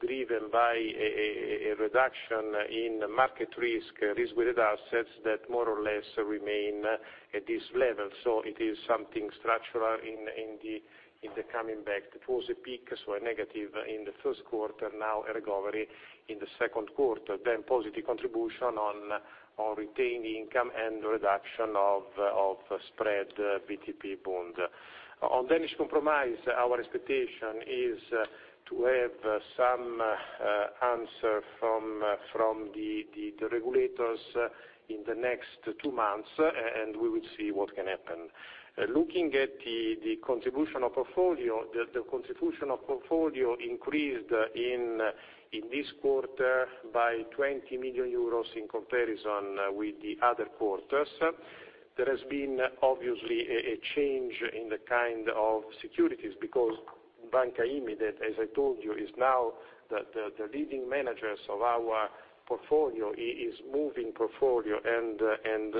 driven by a reduction in market risk-weighted assets that more or less remain at this level. It is something structural in the coming back. That was a peak, so a negative in the first quarter, now a recovery in the second quarter, positive contribution on retained income and reduction of spread BTP bond. On Danish Compromise, our expectation is to have some answer from the regulators in the next two months. We will see what can happen. Looking at the contribution of portfolio, the contribution of portfolio increased in this quarter by 20 million euros in comparison with the other quarters. There has been obviously a change in the kind of securities because Banca Intesa, as I told you, is now the leading managers of our portfolio, is moving portfolio and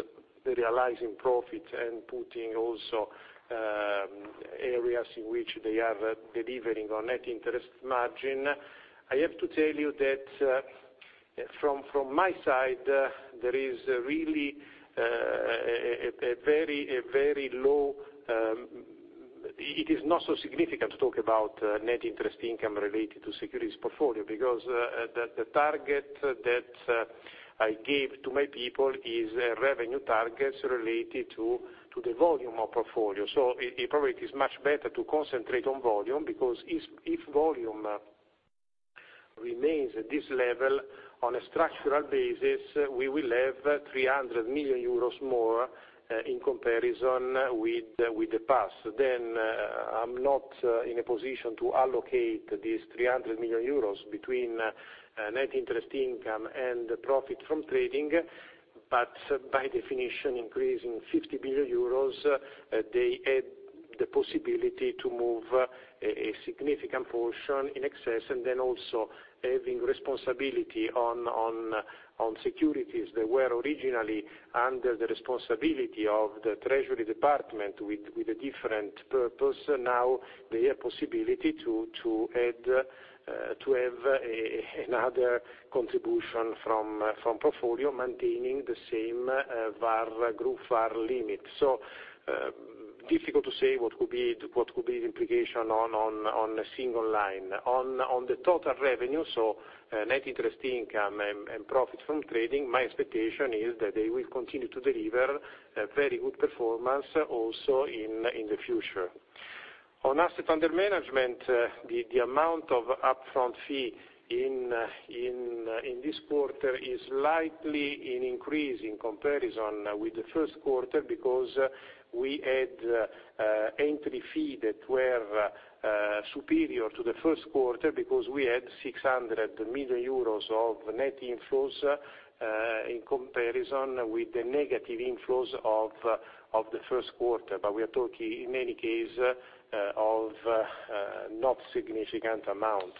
realizing profit and putting also areas in which they are delivering on net interest margin. I have to tell you that from my side, it is not so significant to talk about net interest income related to securities portfolio because the target that I gave to my people is revenue targets related to the volume of portfolio. It probably is much better to concentrate on volume, because if volume remains at this level on a structural basis, we will have 300 million euros more in comparison with the past. I'm not in a position to allocate these 300 million euros between Net Interest Income and profit from trading. By definition, increasing 50 billion euros, they had the possibility to move a significant portion in excess, and then also having responsibility on securities that were originally under the responsibility of the treasury department with a different purpose. Now they have possibility to have another contribution from portfolio, maintaining the same group VaR limit. Difficult to say what could be the implication on a single line. On the total revenue, Net Interest Income and profit from trading, my expectation is that they will continue to deliver a very good performance also in the future. On asset under management, the amount of upfront fee in this quarter is slightly in increase in comparison with the first quarter because we had entry fee that were superior to the first quarter because we had 600 million euros of net inflows in comparison with the negative inflows of the first quarter. We are talking in any case of not significant amount.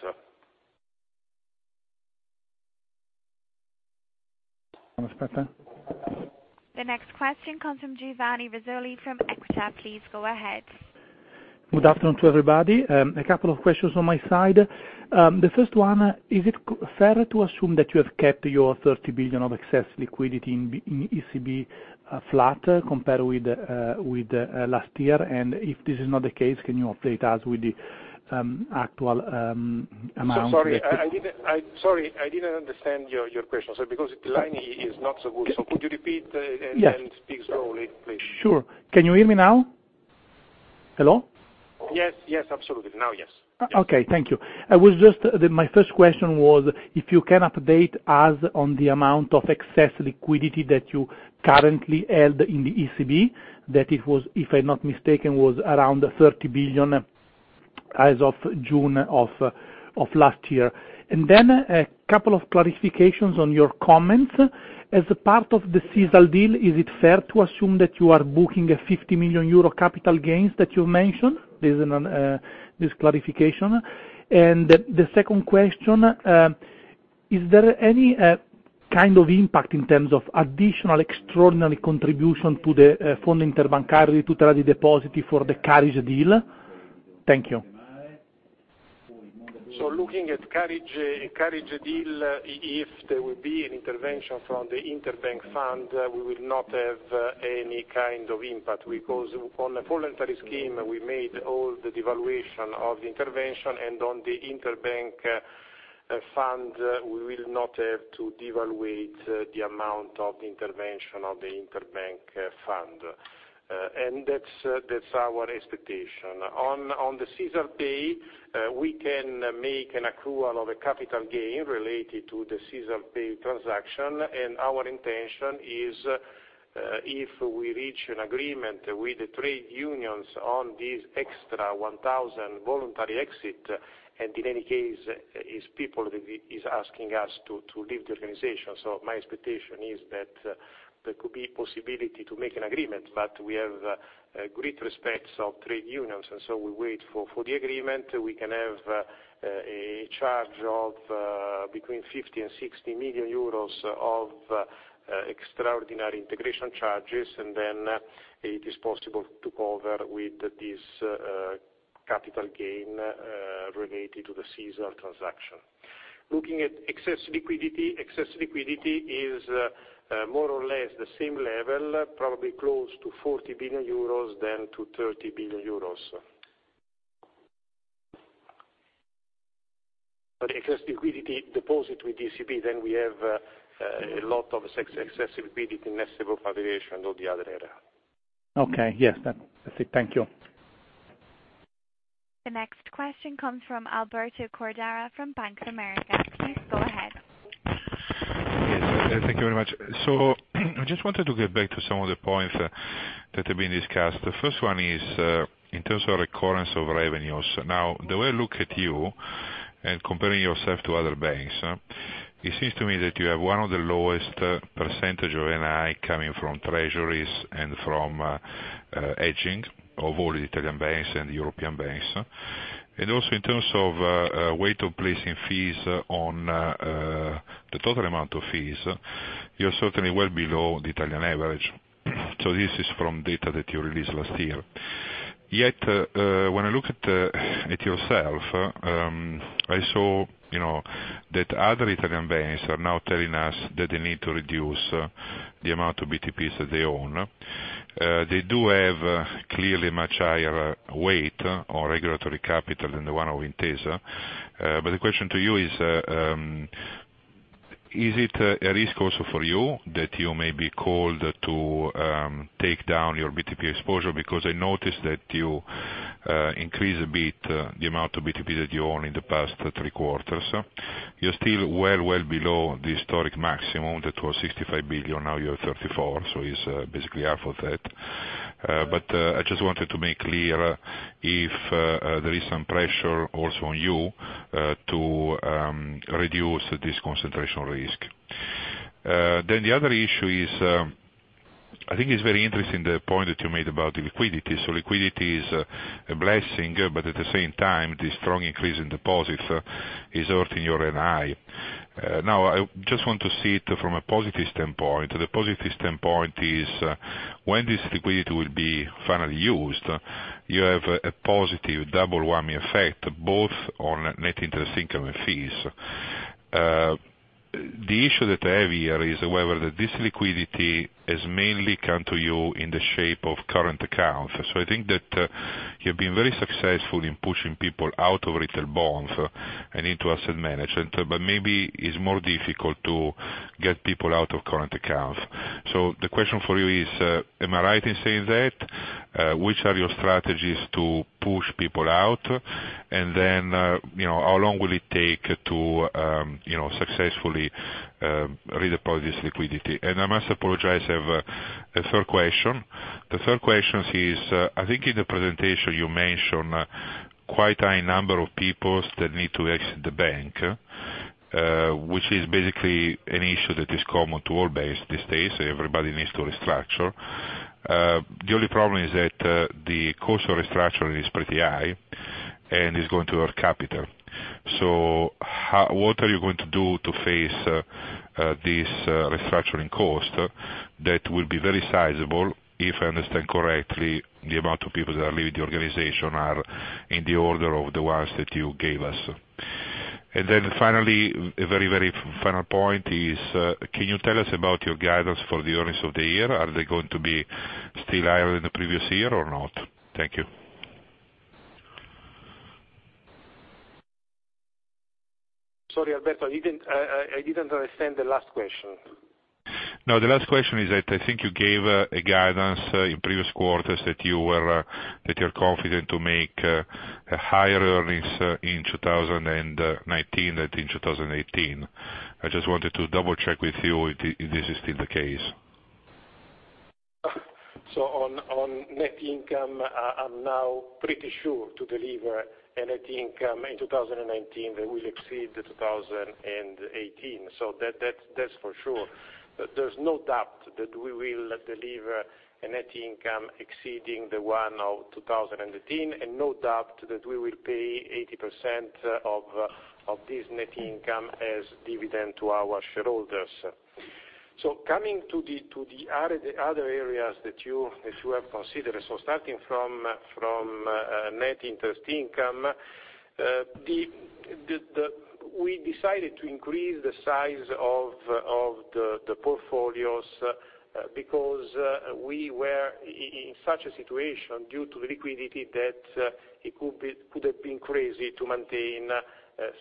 The next question comes from Giovanni Razzoli from EQUITA. Please go ahead. Good afternoon to everybody. A couple of questions on my side. The first one, is it fair to assume that you have kept your 30 billion of excess liquidity in ECB flat compared with last year? If this is not the case, can you update us with the actual amount? Sorry, I didn't understand your question, because the line is not so good. Could you repeat and speak slowly, please? Sure. Can you hear me now? Hello? Yes, absolutely. Now, yes. Okay. Thank you. My first question was, if you can update us on the amount of excess liquidity that you currently held in the ECB, that it was, if I'm not mistaken, around 30 billion as of June of last year. Then a couple of clarifications on your comments. As a part of the Sisal deal, is it fair to assume that you are booking a 50 million euro capital gains that you mentioned? This clarification. The second question, is there any kind of impact in terms of additional extraordinary contribution to the Fondo Interbancario di Tutela dei Depositi for the Carige deal? Thank you. Looking at Carige deal, if there will be an intervention from the Interbank Fund, we will not have any kind of impact, because on a voluntary scheme, we made all the devaluation of the intervention and on the Interbank Fund, we will not have to devaluate the amount of intervention of the Interbank Fund. That's our expectation. On the SisalPay, we can make an accrual of a capital gain related to the SisalPay transaction. Our intention is, if we reach an agreement with the trade unions on this extra 1,000 voluntary exit, in any case, people is asking us to leave the organization. My expectation is that there could be possibility to make an agreement, but we have great respects of trade unions. We wait for the agreement. We can have a charge of between 50 million and 60 million euros of extraordinary integration charges. It is possible to cover with this capital gain related to the Sisal transaction. Looking at excess liquidity. Excess liquidity is more or less the same level, probably close to 40 billion euros than to 30 billion euros. Excess liquidity deposit with ECB. We have a lot of excess liquidity in Nestlé publication on the other area. Okay. Yes. That's it. Thank you. The next question comes from Alberto Cordara from Bank of America. Please go ahead. Yes. Thank you very much. I just wanted to get back to some of the points that have been discussed. The first one is, in terms of recurrence of revenues. Now, the way I look at you and comparing yourself to other banks, it seems to me that you have one of the lowest percentage of NII coming from treasuries and from hedging of all Italian banks and European banks. Also in terms of weight of placing fees on the total amount of fees, you're certainly well below the Italian average. This is from data that you released last year. Yet, when I look at yourself, I saw that other Italian banks are now telling us that they need to reduce the amount of BTPs that they own. They do have clearly much higher weight or regulatory capital than the one of Intesa. The question to you is it a risk also for you that you may be called to take down your BTP exposure? I noticed that you increased a bit the amount of BTP that you own in the past three quarters. You're still well below the historic maximum that was 65 billion, now you have 34 billion, so it's basically half of that. I just wanted to make clear if there is some pressure also on you to reduce this concentration risk. The other issue is, I think it's very interesting the point that you made about liquidity. Liquidity is a blessing, but at the same time, the strong increase in deposits is hurting your NII. I just want to see it from a positivist standpoint. The positivist standpoint is when this liquidity will be finally used, you have a positive double-whammy effect, both on net interest income and fees. The issue that I have here is whether this liquidity has mainly come to you in the shape of current accounts. I think that you've been very successful in pushing people out of retail bonds and into asset management. Maybe it's more difficult to get people out of current accounts. The question for you is, am I right in saying that? Which are your strategies to push people out? How long will it take to successfully redeposit this liquidity? I must apologize, I have a third question. The third question is, I think in the presentation you mentioned quite high number of people that need to exit the bank, which is basically an issue that is common to all banks these days. Everybody needs to restructure. The only problem is that the cost of restructuring is pretty high, and is going to hurt capital. Finally, a very final point is, can you tell us about your guidance for the earnings of the year? Are they going to be still higher than the previous year or not? Thank you. Sorry, Alberto, I didn't understand the last question. The last question is that I think you gave a guidance in previous quarters that you're confident to make higher earnings in 2019 than in 2018. I just wanted to double-check with you if this is still the case. On net income, I'm now pretty sure to deliver a net income in 2019 that will exceed 2018. That's for sure. There's no doubt that we will deliver a net income exceeding the one of 2018, and no doubt that we will pay 80% of this net income as dividend to our shareholders. Coming to the other areas that you have considered. Starting from net interest income, we decided to increase the size of the portfolios because we were in such a situation due to liquidity that it could have been crazy to maintain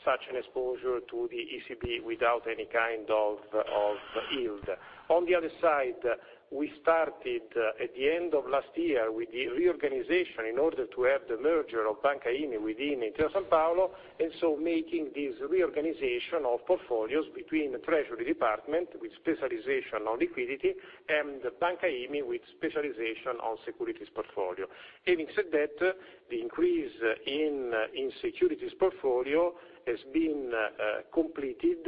such an exposure to the ECB without any kind of yield. On the other side, we started at the end of last year with the reorganization in order to have the merger of Banca Intesa Sanpaolo, making this reorganization of portfolios between the treasury department, with specialization on liquidity, and Banca IMI, with specialization on securities portfolio. Having said that, the increase in securities portfolio has been completed.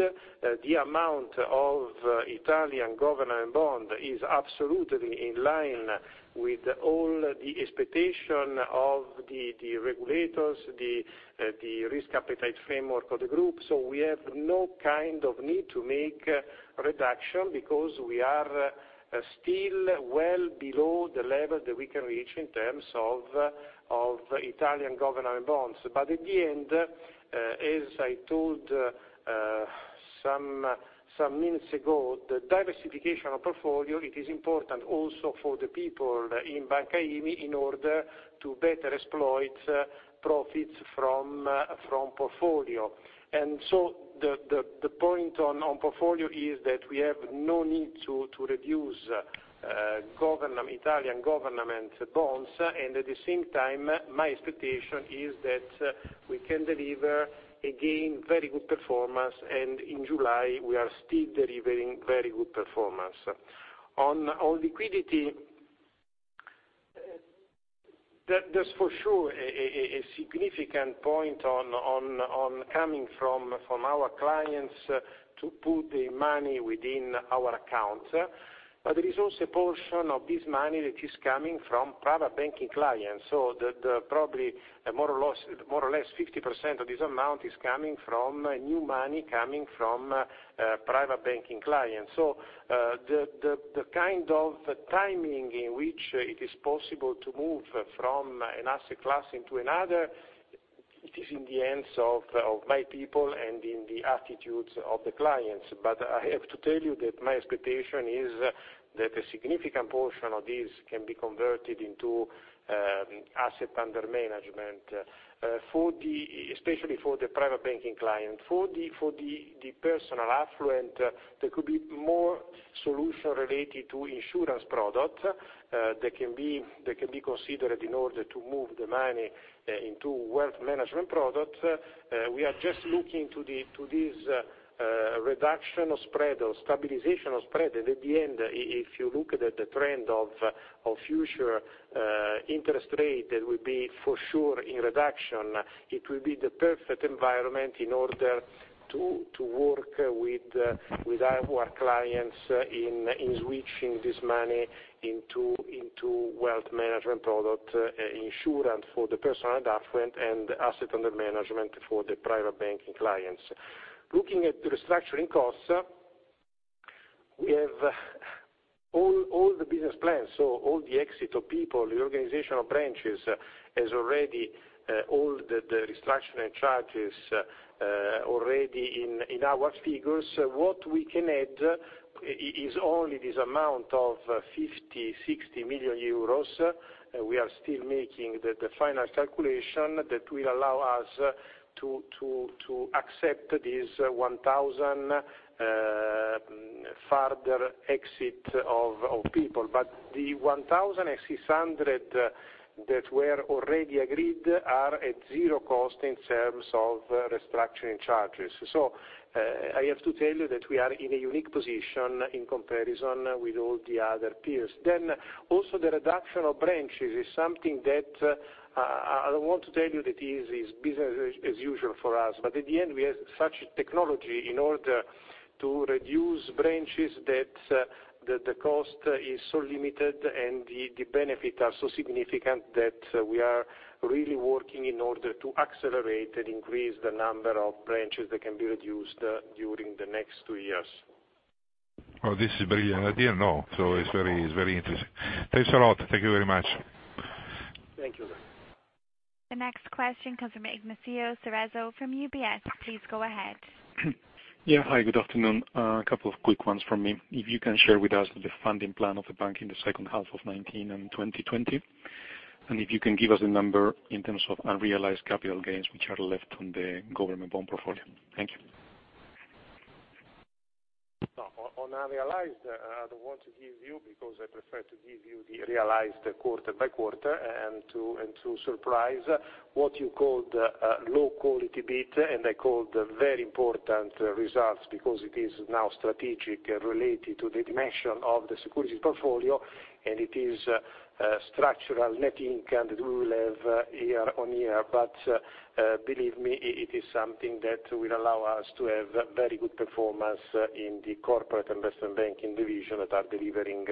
The amount of Italian government bond is absolutely in line with all the expectation of the regulators, the risk appetite framework of the group. We have no kind of need to make reduction, because we are still well below the level that we can reach in terms of Italian government bonds. In the end, as I told some minutes ago, the diversification of portfolio, it is important also for the people in Banca IMI in order to better exploit profits from portfolio. The point on portfolio is that we have no need to reduce Italian government bonds. At the same time, my expectation is that we can deliver, again, very good performance, and in July, we are still delivering very good performance. On liquidity, that's for sure, a significant point on coming from our clients to put the money within our account. There is also a portion of this money that is coming from private banking clients. Probably more or less 50% of this amount is coming from new money coming from private banking clients. The kind of timing in which it is possible to move from an asset class into another, it is in the hands of my people and in the attitudes of the clients. I have to tell you that my expectation is that a significant portion of this can be converted into asset under management, especially for the private banking client. For the personal affluent, there could be more solution related to insurance product that can be considered in order to move the money into wealth management product. We are just looking to this reduction of spread, or stabilization of spread, and at the end, if you look at the trend of future interest rate, that will be for sure in reduction. It will be the perfect environment in order to work with our clients in switching this money into wealth management product insurance for the personal affluent, and asset under management for the private banking clients. Looking at the restructuring costs, we have all the business plans, so all the exit of people, the organizational branches, all the restructuring charges already in our figures. What we can add is only this amount of 50 million euros, 60 million euros. We are still making the final calculation that will allow us to accept this 1,000 further exit of people. The 1,600 that were already agreed are at zero cost in terms of restructuring charges. I have to tell you that we are in a unique position in comparison with all the other peers. Also the reduction of branches is something that I want to tell you that it is business as usual for us. At the end, we have such technology in order to reduce branches that the cost is so limited, and the benefits are so significant that we are really working in order to accelerate and increase the number of branches that can be reduced during the next two years. Oh, this is brilliant. I didn't know, so it's very interesting. Thanks a lot. Thank you very much. Thank you. The next question comes from Ignacio Cerezo from UBS. Please go ahead. Yeah. Hi, good afternoon. A couple of quick ones from me. If you can share with us the funding plan of the bank in the second half of 2019 and 2020, and if you can give us a number in terms of unrealized capital gains, which are left on the government bond portfolio. Thank you. On unrealized, I don't want to give you, because I prefer to give you the realized quarter by quarter, and to surprise what you called low quality bit, and I called very important results, because it is now strategic related to the dimension of the securities portfolio, and it is structural net income that we will have year on year. Believe me, it is something that will allow us to have very good performance in the corporate investment banking division that are delivering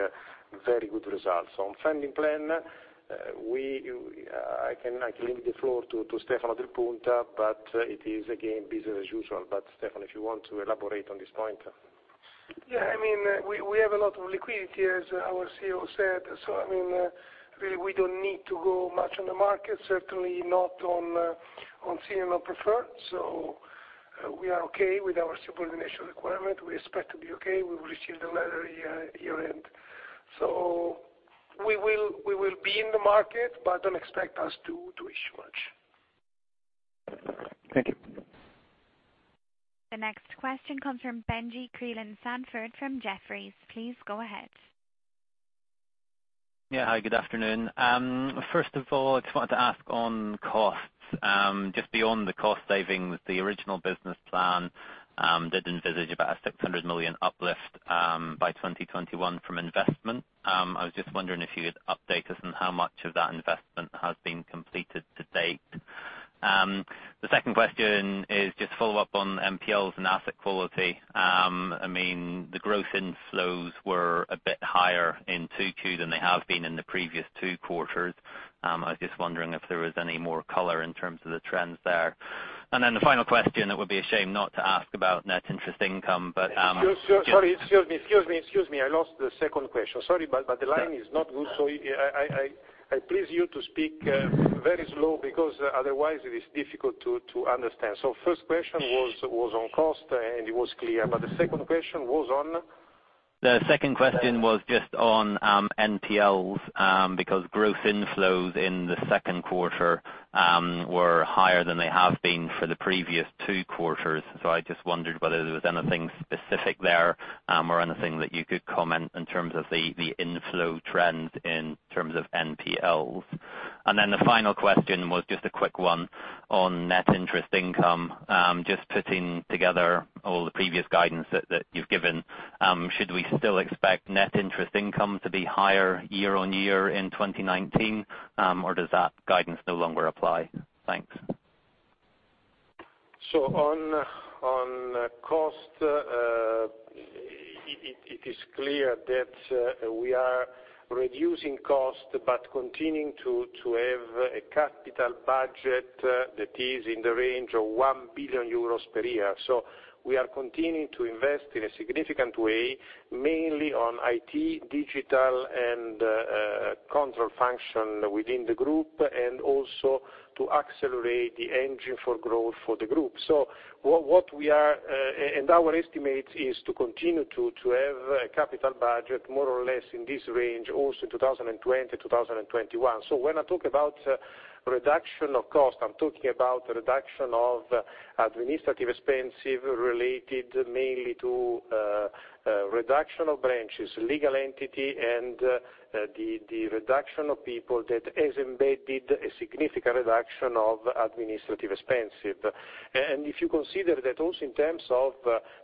very good results. On funding plan, I can leave the floor to Stefano Del Punta, it is again business as usual. Stefano, if you want to elaborate on this point. Yeah, we have a lot of liquidity, as our CEO said. Really, we don't need to go much on the market, certainly not on senior preferred. We are okay with our subordination requirement. We expect to be okay. We will receive the letter year-end. We will be in the market, but don't expect us to issue much. Thank you. The next question comes from Benjie Creelan-Sandford from Jefferies. Please go ahead. Yeah. Hi, good afternoon. First of all, I just wanted to ask on costs, just beyond the cost savings, the original business plan did envisage about a 600 million uplift by 2021 from investment. I was just wondering if you could update us on how much of that investment has been completed to date. The second question is just follow up on NPLs and asset quality. The growth inflows were a bit higher in Q2 than they have been in the previous two quarters. I was just wondering if there was any more color in terms of the trends there. The final question, it would be a shame not to ask about net interest income. Sorry. Excuse me. I lost the second question. Sorry, the line is not good. I please you to speak very slow, because otherwise it is difficult to understand. First question was on cost, and it was clear. The second question was on? The second question was just on NPLs, because growth inflows in the second quarter were higher than they have been for the previous two quarters. I just wondered whether there was anything specific there, or anything that you could comment in terms of the inflow trend in terms of NPLs. The final question was just a quick one on net interest income. Just putting together all the previous guidance that you've given, should we still expect net interest income to be higher year-on-year in 2019? Does that guidance no longer apply? Thanks. On cost, it is clear that we are reducing cost but continuing to have a capital budget that is in the range of 1 billion euros per year. We are continuing to invest in a significant way, mainly on IT, digital, and control function within the group, and also to accelerate the engine for growth for the group. Our estimate is to continue to have a capital budget more or less in this range also 2020, 2021. When I talk about reduction of cost, I am talking about reduction of administrative expenses related mainly to reduction of branches, legal entities, and the reduction of people that has embedded a significant reduction of administrative expenses. If you consider that also in terms of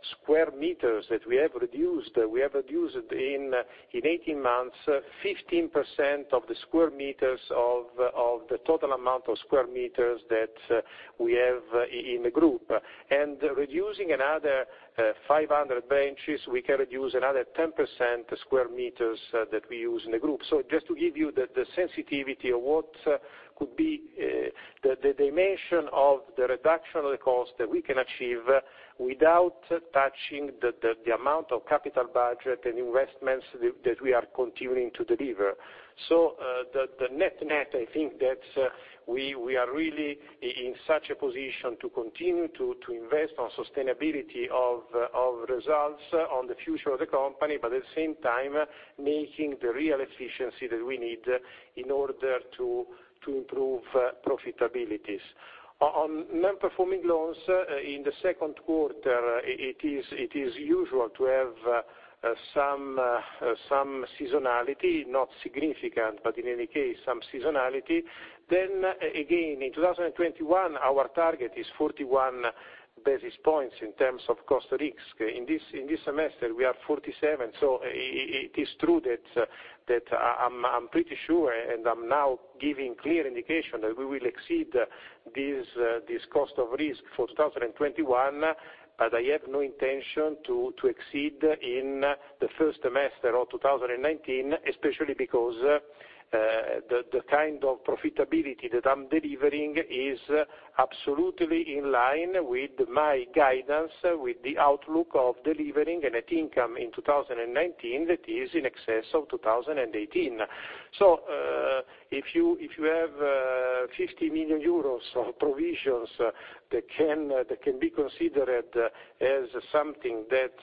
sq m that we have reduced, we have reduced in 18 months, 15% of the sq m of the total amount of sq m that we have in the group. Reducing another 500 branches, we can reduce another 10% sq m that we use in the group. Just to give you the sensitivity of what could be the dimension of the reduction of the cost that we can achieve without touching the amount of capital budget and investments that we are continuing to deliver. The net-net, I think that we are really in such a position to continue to invest on sustainability of results on the future of the company, but at the same time, making the real efficiency that we need in order to improve profitabilities. On non-performing loans, in the second quarter, it is usual to have some seasonality, not significant, but in any case, some seasonality. Again, in 2021, our target is 41 basis points in terms of cost risk. In this semester, we are 47, it is true that I'm pretty sure, and I'm now giving clear indication that we will exceed this cost of risk for 2021, I have no intention to exceed in the first semester of 2019, especially because the kind of profitability that I'm delivering is absolutely in line with my guidance, with the outlook of delivering a net income in 2019 that is in excess of 2018. If you have 50 million euros of provisions that can be considered as something that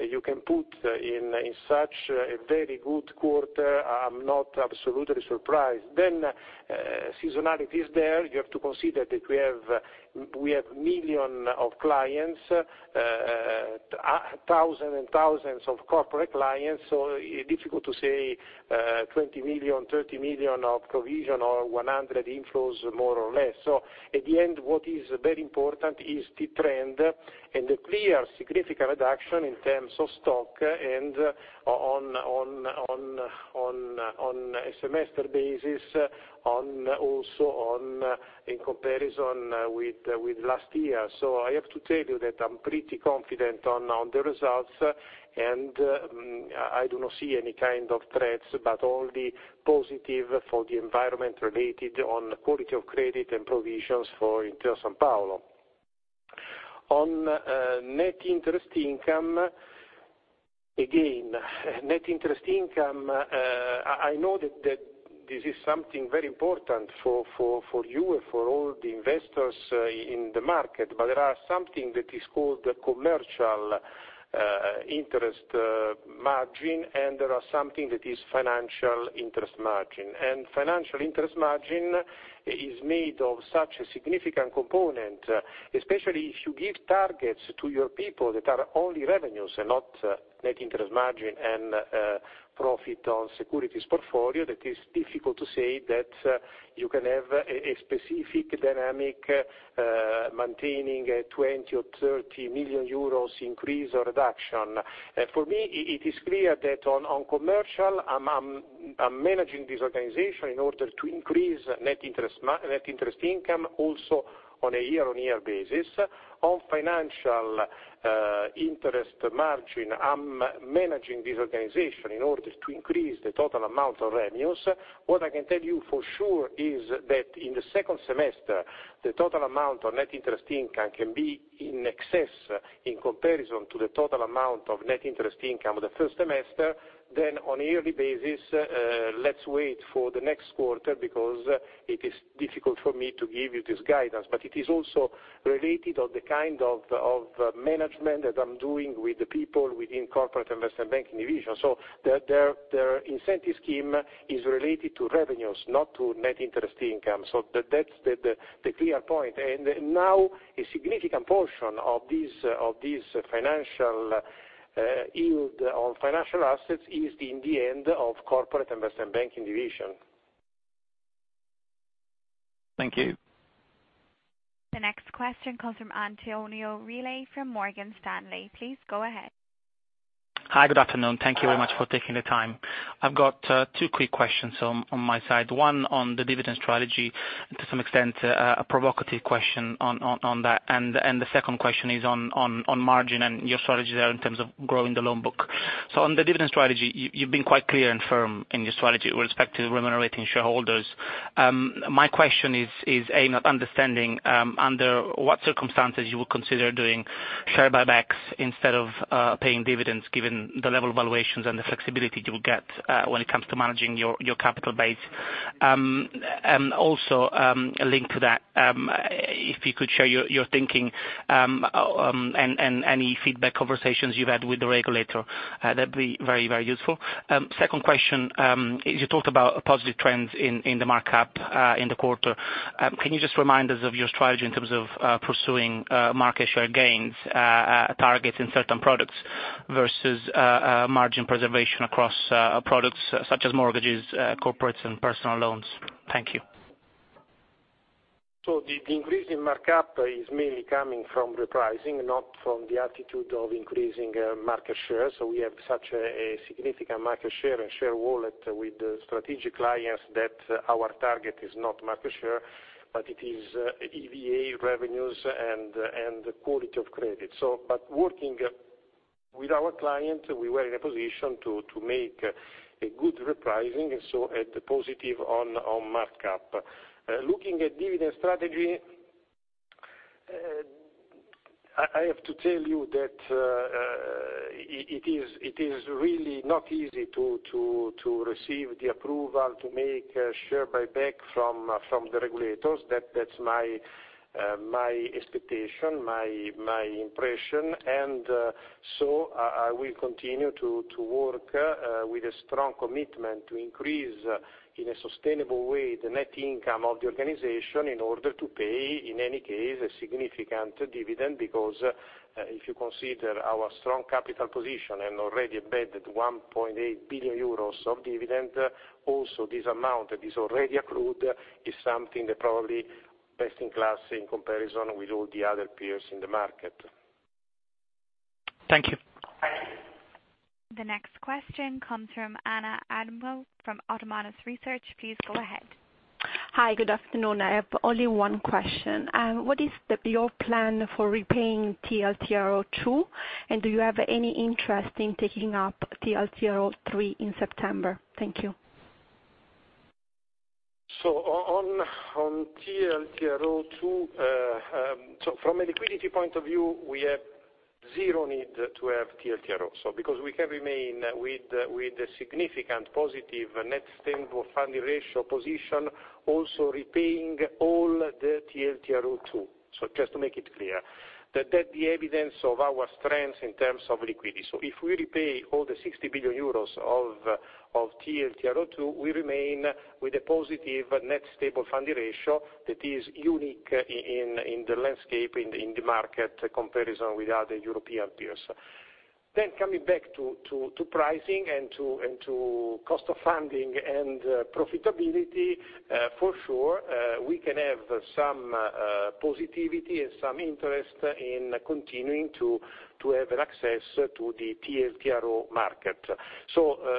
you can put in such a very good quarter. I'm not absolutely surprised. Seasonality is there. You have to consider that we have million of clients, thousand and thousands of corporate clients. Difficult to say, 20 million, 30 million of provision or 100 inflows more or less. At the end, what is very important is the trend and the clear significant reduction in terms of stock and on a semester basis, also in comparison with last year. I have to tell you that I'm pretty confident on the results, and I do not see any kind of threats, but only positive for the environment related on quality of credit and provisions for Intesa Sanpaolo. On net interest income, again, net interest income, I know that this is something very important for you and for all the investors in the market, but there are something that is called commercial interest margin, and there are something that is financial interest margin. Financial interest margin is made of such a significant component, especially if you give targets to your people that are only revenues and not net interest margin and profit on securities portfolio, that is difficult to say that you can have a specific dynamic, maintaining a 20 million or 30 million euros increase or reduction. It is clear that on commercial, I'm managing this organization in order to increase net interest income, also on a year-on-year basis. Financial interest margin, I'm managing this organization in order to increase the total amount of revenues. I can tell you for sure is that in the second semester, the total amount of net interest income can be in excess in comparison to the total amount of net interest income of the first semester. On a yearly basis, let's wait for the next quarter because it is difficult for me to give you this guidance. It is also related on the kind of management that I'm doing with the people within Corporate and Investment Banking Division. Their incentive scheme is related to revenues, not to net interest income. That's the clear point. Now a significant portion of this financial yield on financial assets is in the end of Corporate and Investment Banking Division. Thank you. The next question comes from Antonio Reale from Morgan Stanley. Please go ahead. Hi, good afternoon. Thank you very much for taking the time. I've got two quick questions on my side. One on the dividend strategy, to some extent, a provocative question on that. The second question is on margin and your strategy there in terms of growing the loan book. On the dividend strategy, you've been quite clear and firm in your strategy with respect to remunerating shareholders. My question is aimed at understanding under what circumstances you would consider doing share buybacks instead of paying dividends, given the level of valuations and the flexibility you will get when it comes to managing your capital base. Also, linked to that, if you could share your thinking, and any feedback conversations you've had with the regulator, that'd be very, very useful. Second question, you talked about positive trends in the markup in the quarter. Can you just remind us of your strategy in terms of pursuing market share gains targets in certain products versus margin preservation across products such as mortgages, corporates, and personal loans? Thank you. The increase in markup is mainly coming from repricing, not from the attitude of increasing market share. We have such a significant market share and share wallet with strategic clients that our target is not market share, but it is EVA revenues and quality of credit. Working with our client, we were in a position to make a good repricing, so at positive on markup. Looking at dividend strategy, I have to tell you that it is really not easy to receive the approval to make a share buyback from the regulators. That's my expectation, my impression. I will continue to work with a strong commitment to increase, in a sustainable way, the net income of the organization in order to pay, in any case, a significant dividend. If you consider our strong capital position and already embedded 1.8 billion euros of dividend, also this amount that is already accrued is something that probably best in class in comparison with all the other peers in the market. Thank you. Thank you. The next question comes from Anna Adamo from Autonomous Research. Please go ahead. Hi, good afternoon. I have only one question. What is your plan for repaying TLTRO II, and do you have any interest in taking up TLTRO III in September? Thank you. On TLTRO II, from a liquidity point of view, we have zero need to have TLTRO. Because we can remain with a significant positive Net Stable Funding Ratio position, also repaying all the TLTRO II. Just to make it clear that the evidence of our strength in terms of liquidity. If we repay all the 60 billion euros of TLTRO II, we remain with a positive Net Stable Funding Ratio that is unique in the landscape, in the market comparison with other European peers. Coming back to pricing and to cost of funding and profitability, for sure, we can have some positivity and some interest in continuing to have access to the TLTRO market.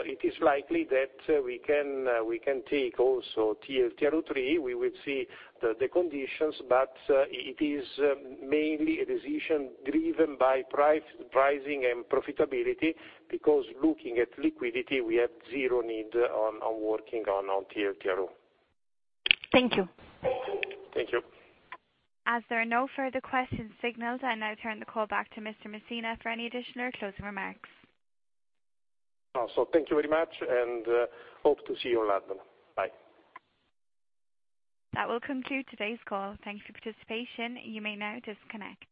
It is likely that we can take also TLTRO III. We will see the conditions, but it is mainly a decision driven by pricing and profitability, because looking at liquidity, we have zero need on working on TLTRO. Thank you. Thank you. As there are no further questions signaled, I now turn the call back to Mr. Messina for any additional or closing remarks. Thank you very much, and hope to see you in London. Bye. That will conclude today's call. Thank you for participation. You may now disconnect.